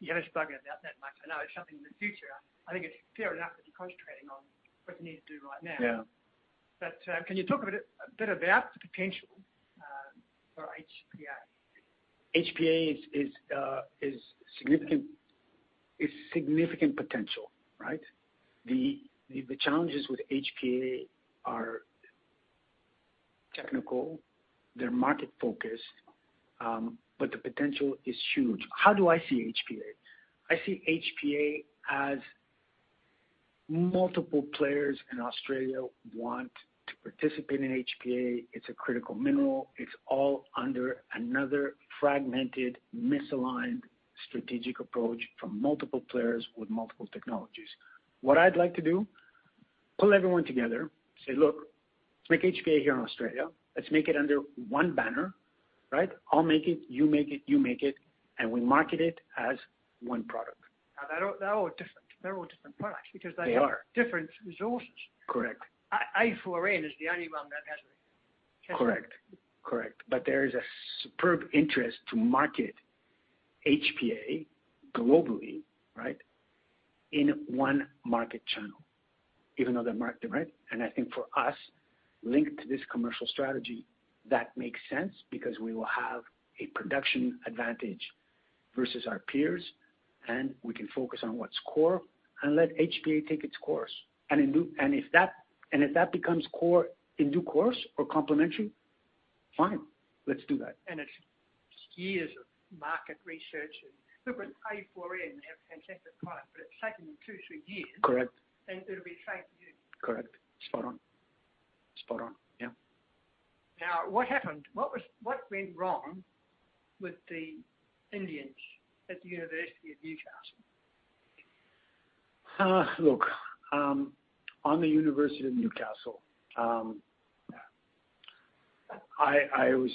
you haven't spoken about that much. I know it's something in the future. I think it's fair enough that you're concentrating on what you need to do right now. Yeah. Can you talk a bit about the potential for HPA? HPA is significant potential, right? The challenges with HPA are technical, they're market-focused, but the potential is huge. How do I see HPA? I see HPA as multiple players in Australia want to participate in HPA. It's a critical mineral. It's all under another fragmented, misaligned, strategic approach from multiple players with multiple technologies. What I'd like to do, pull everyone together, say: Look, make HPA here in Australia. Let's make it under one banner, right? I'll make it, you make it, you make it, and we market it as one product. They're all different. They're all different products. They are. because they have different resources. Correct. I4N is the only one that has it. Correct. Correct. There is a superb interest to market HPA globally, right? In one market channel, even though they're marked, right? I think for us, linked to this commercial strategy, that makes sense because we will have a production advantage versus our peers, and we can focus on what's core and let HPA take its course. If that becomes core in due course or complementary, fine, let's do that. It's years of market research. Look at I4N, they have a fantastic product, but it's taken them two to three years. Correct. it'll be the same for you. Correct. Spot on. Spot on, yeah. Now, what happened? What went wrong with the Indians at the University of Newcastle? On the University of Newcastle, I was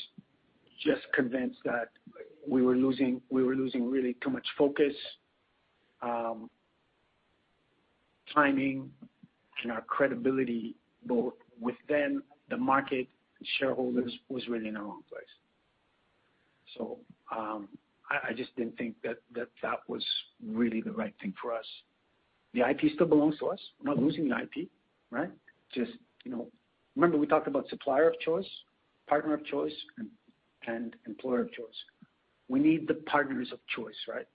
just convinced that we were losing really too much focus, timing, and our credibility, both within the market and shareholders, was really in the wrong place. I just didn't think that was really the right thing for us. The IP still belongs to us. We're not losing the IP, right? Just, you know. Remember we talked about supplier of choice, partner of choice, and employer of choice. We need the partners of choice, right?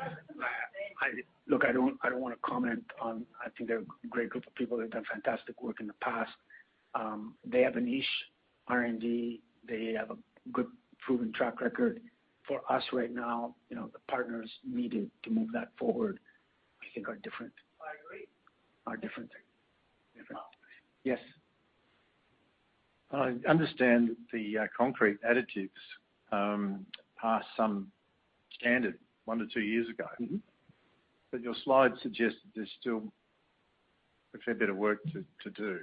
Right. Could be months, and months, and months before you say you picked it. I, look, I don't wanna comment on. I think they're a great group of people. They've done fantastic work in the past. They have a niche R&D. They have a good proven track record. For us right now, you know, the partners needed to move that forward, I think, are different. I agree. Are different things different? Yes? I understand the concrete additives passed some standard one to two years ago. Mm-hmm. Your slide suggests there's still a fair bit of work to do.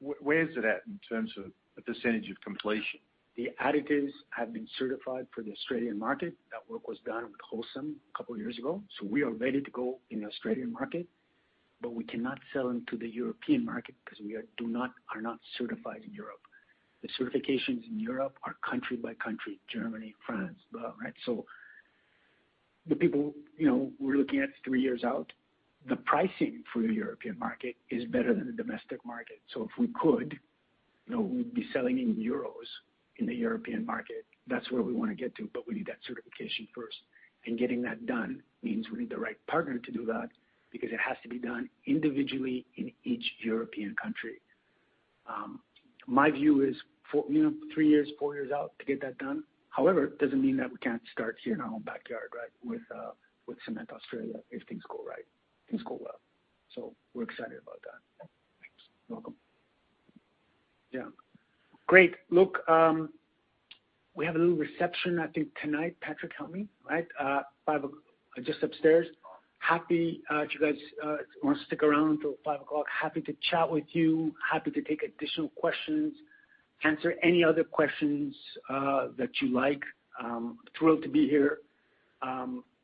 Where is it at in terms of a % of completion? The additives have been certified for the Australian market. That work was done with Holcim a couple of years ago, we are ready to go in the Australian market, but we cannot sell into the European market because we are not certified in Europe. The certifications in Europe are country by country, Germany, France, blah, right? The people, you know, we're looking at three years out. The pricing for the European market is better than the domestic market. If we could, you know, we'd be selling in euros in the European market. That's where we wanna get to, we need that certification first. Getting that done means we need the right partner to do that because it has to be done individually in each European country. My view is three years, four years out to get that done. It doesn't mean that we can't start here in our own backyard, right, with Cement Australia, if things go right, things go well. We're excited about that. Thanks. Welcome. Yeah. Great. Look, we have a little reception, I think, tonight, Patrick, help me, right? Just upstairs. Happy, if you guys, wanna stick around till 5:00 P.M., happy to chat with you, happy to take additional questions, answer any other questions, that you like. Thrilled to be here.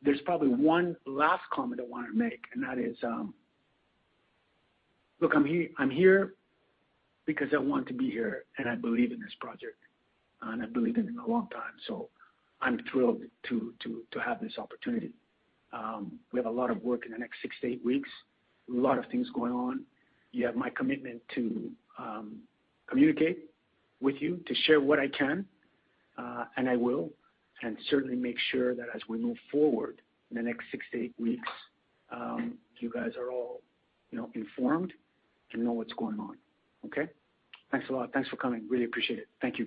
There's probably one last comment I wanna make, and that is, look, I'm here, I'm here because I want to be here, and I believe in this project, and I believe in it a long time, so I'm thrilled to have this opportunity. We have a lot of work in the next six to eight weeks, a lot of things going on. You have my commitment to communicate with you, to share what I can, and I will, and certainly make sure that as we move forward in the next six to eight weeks, you guys are all, you know, informed and know what's going on. Okay? Thanks a lot. Thanks for coming. Really appreciate it. Thank you.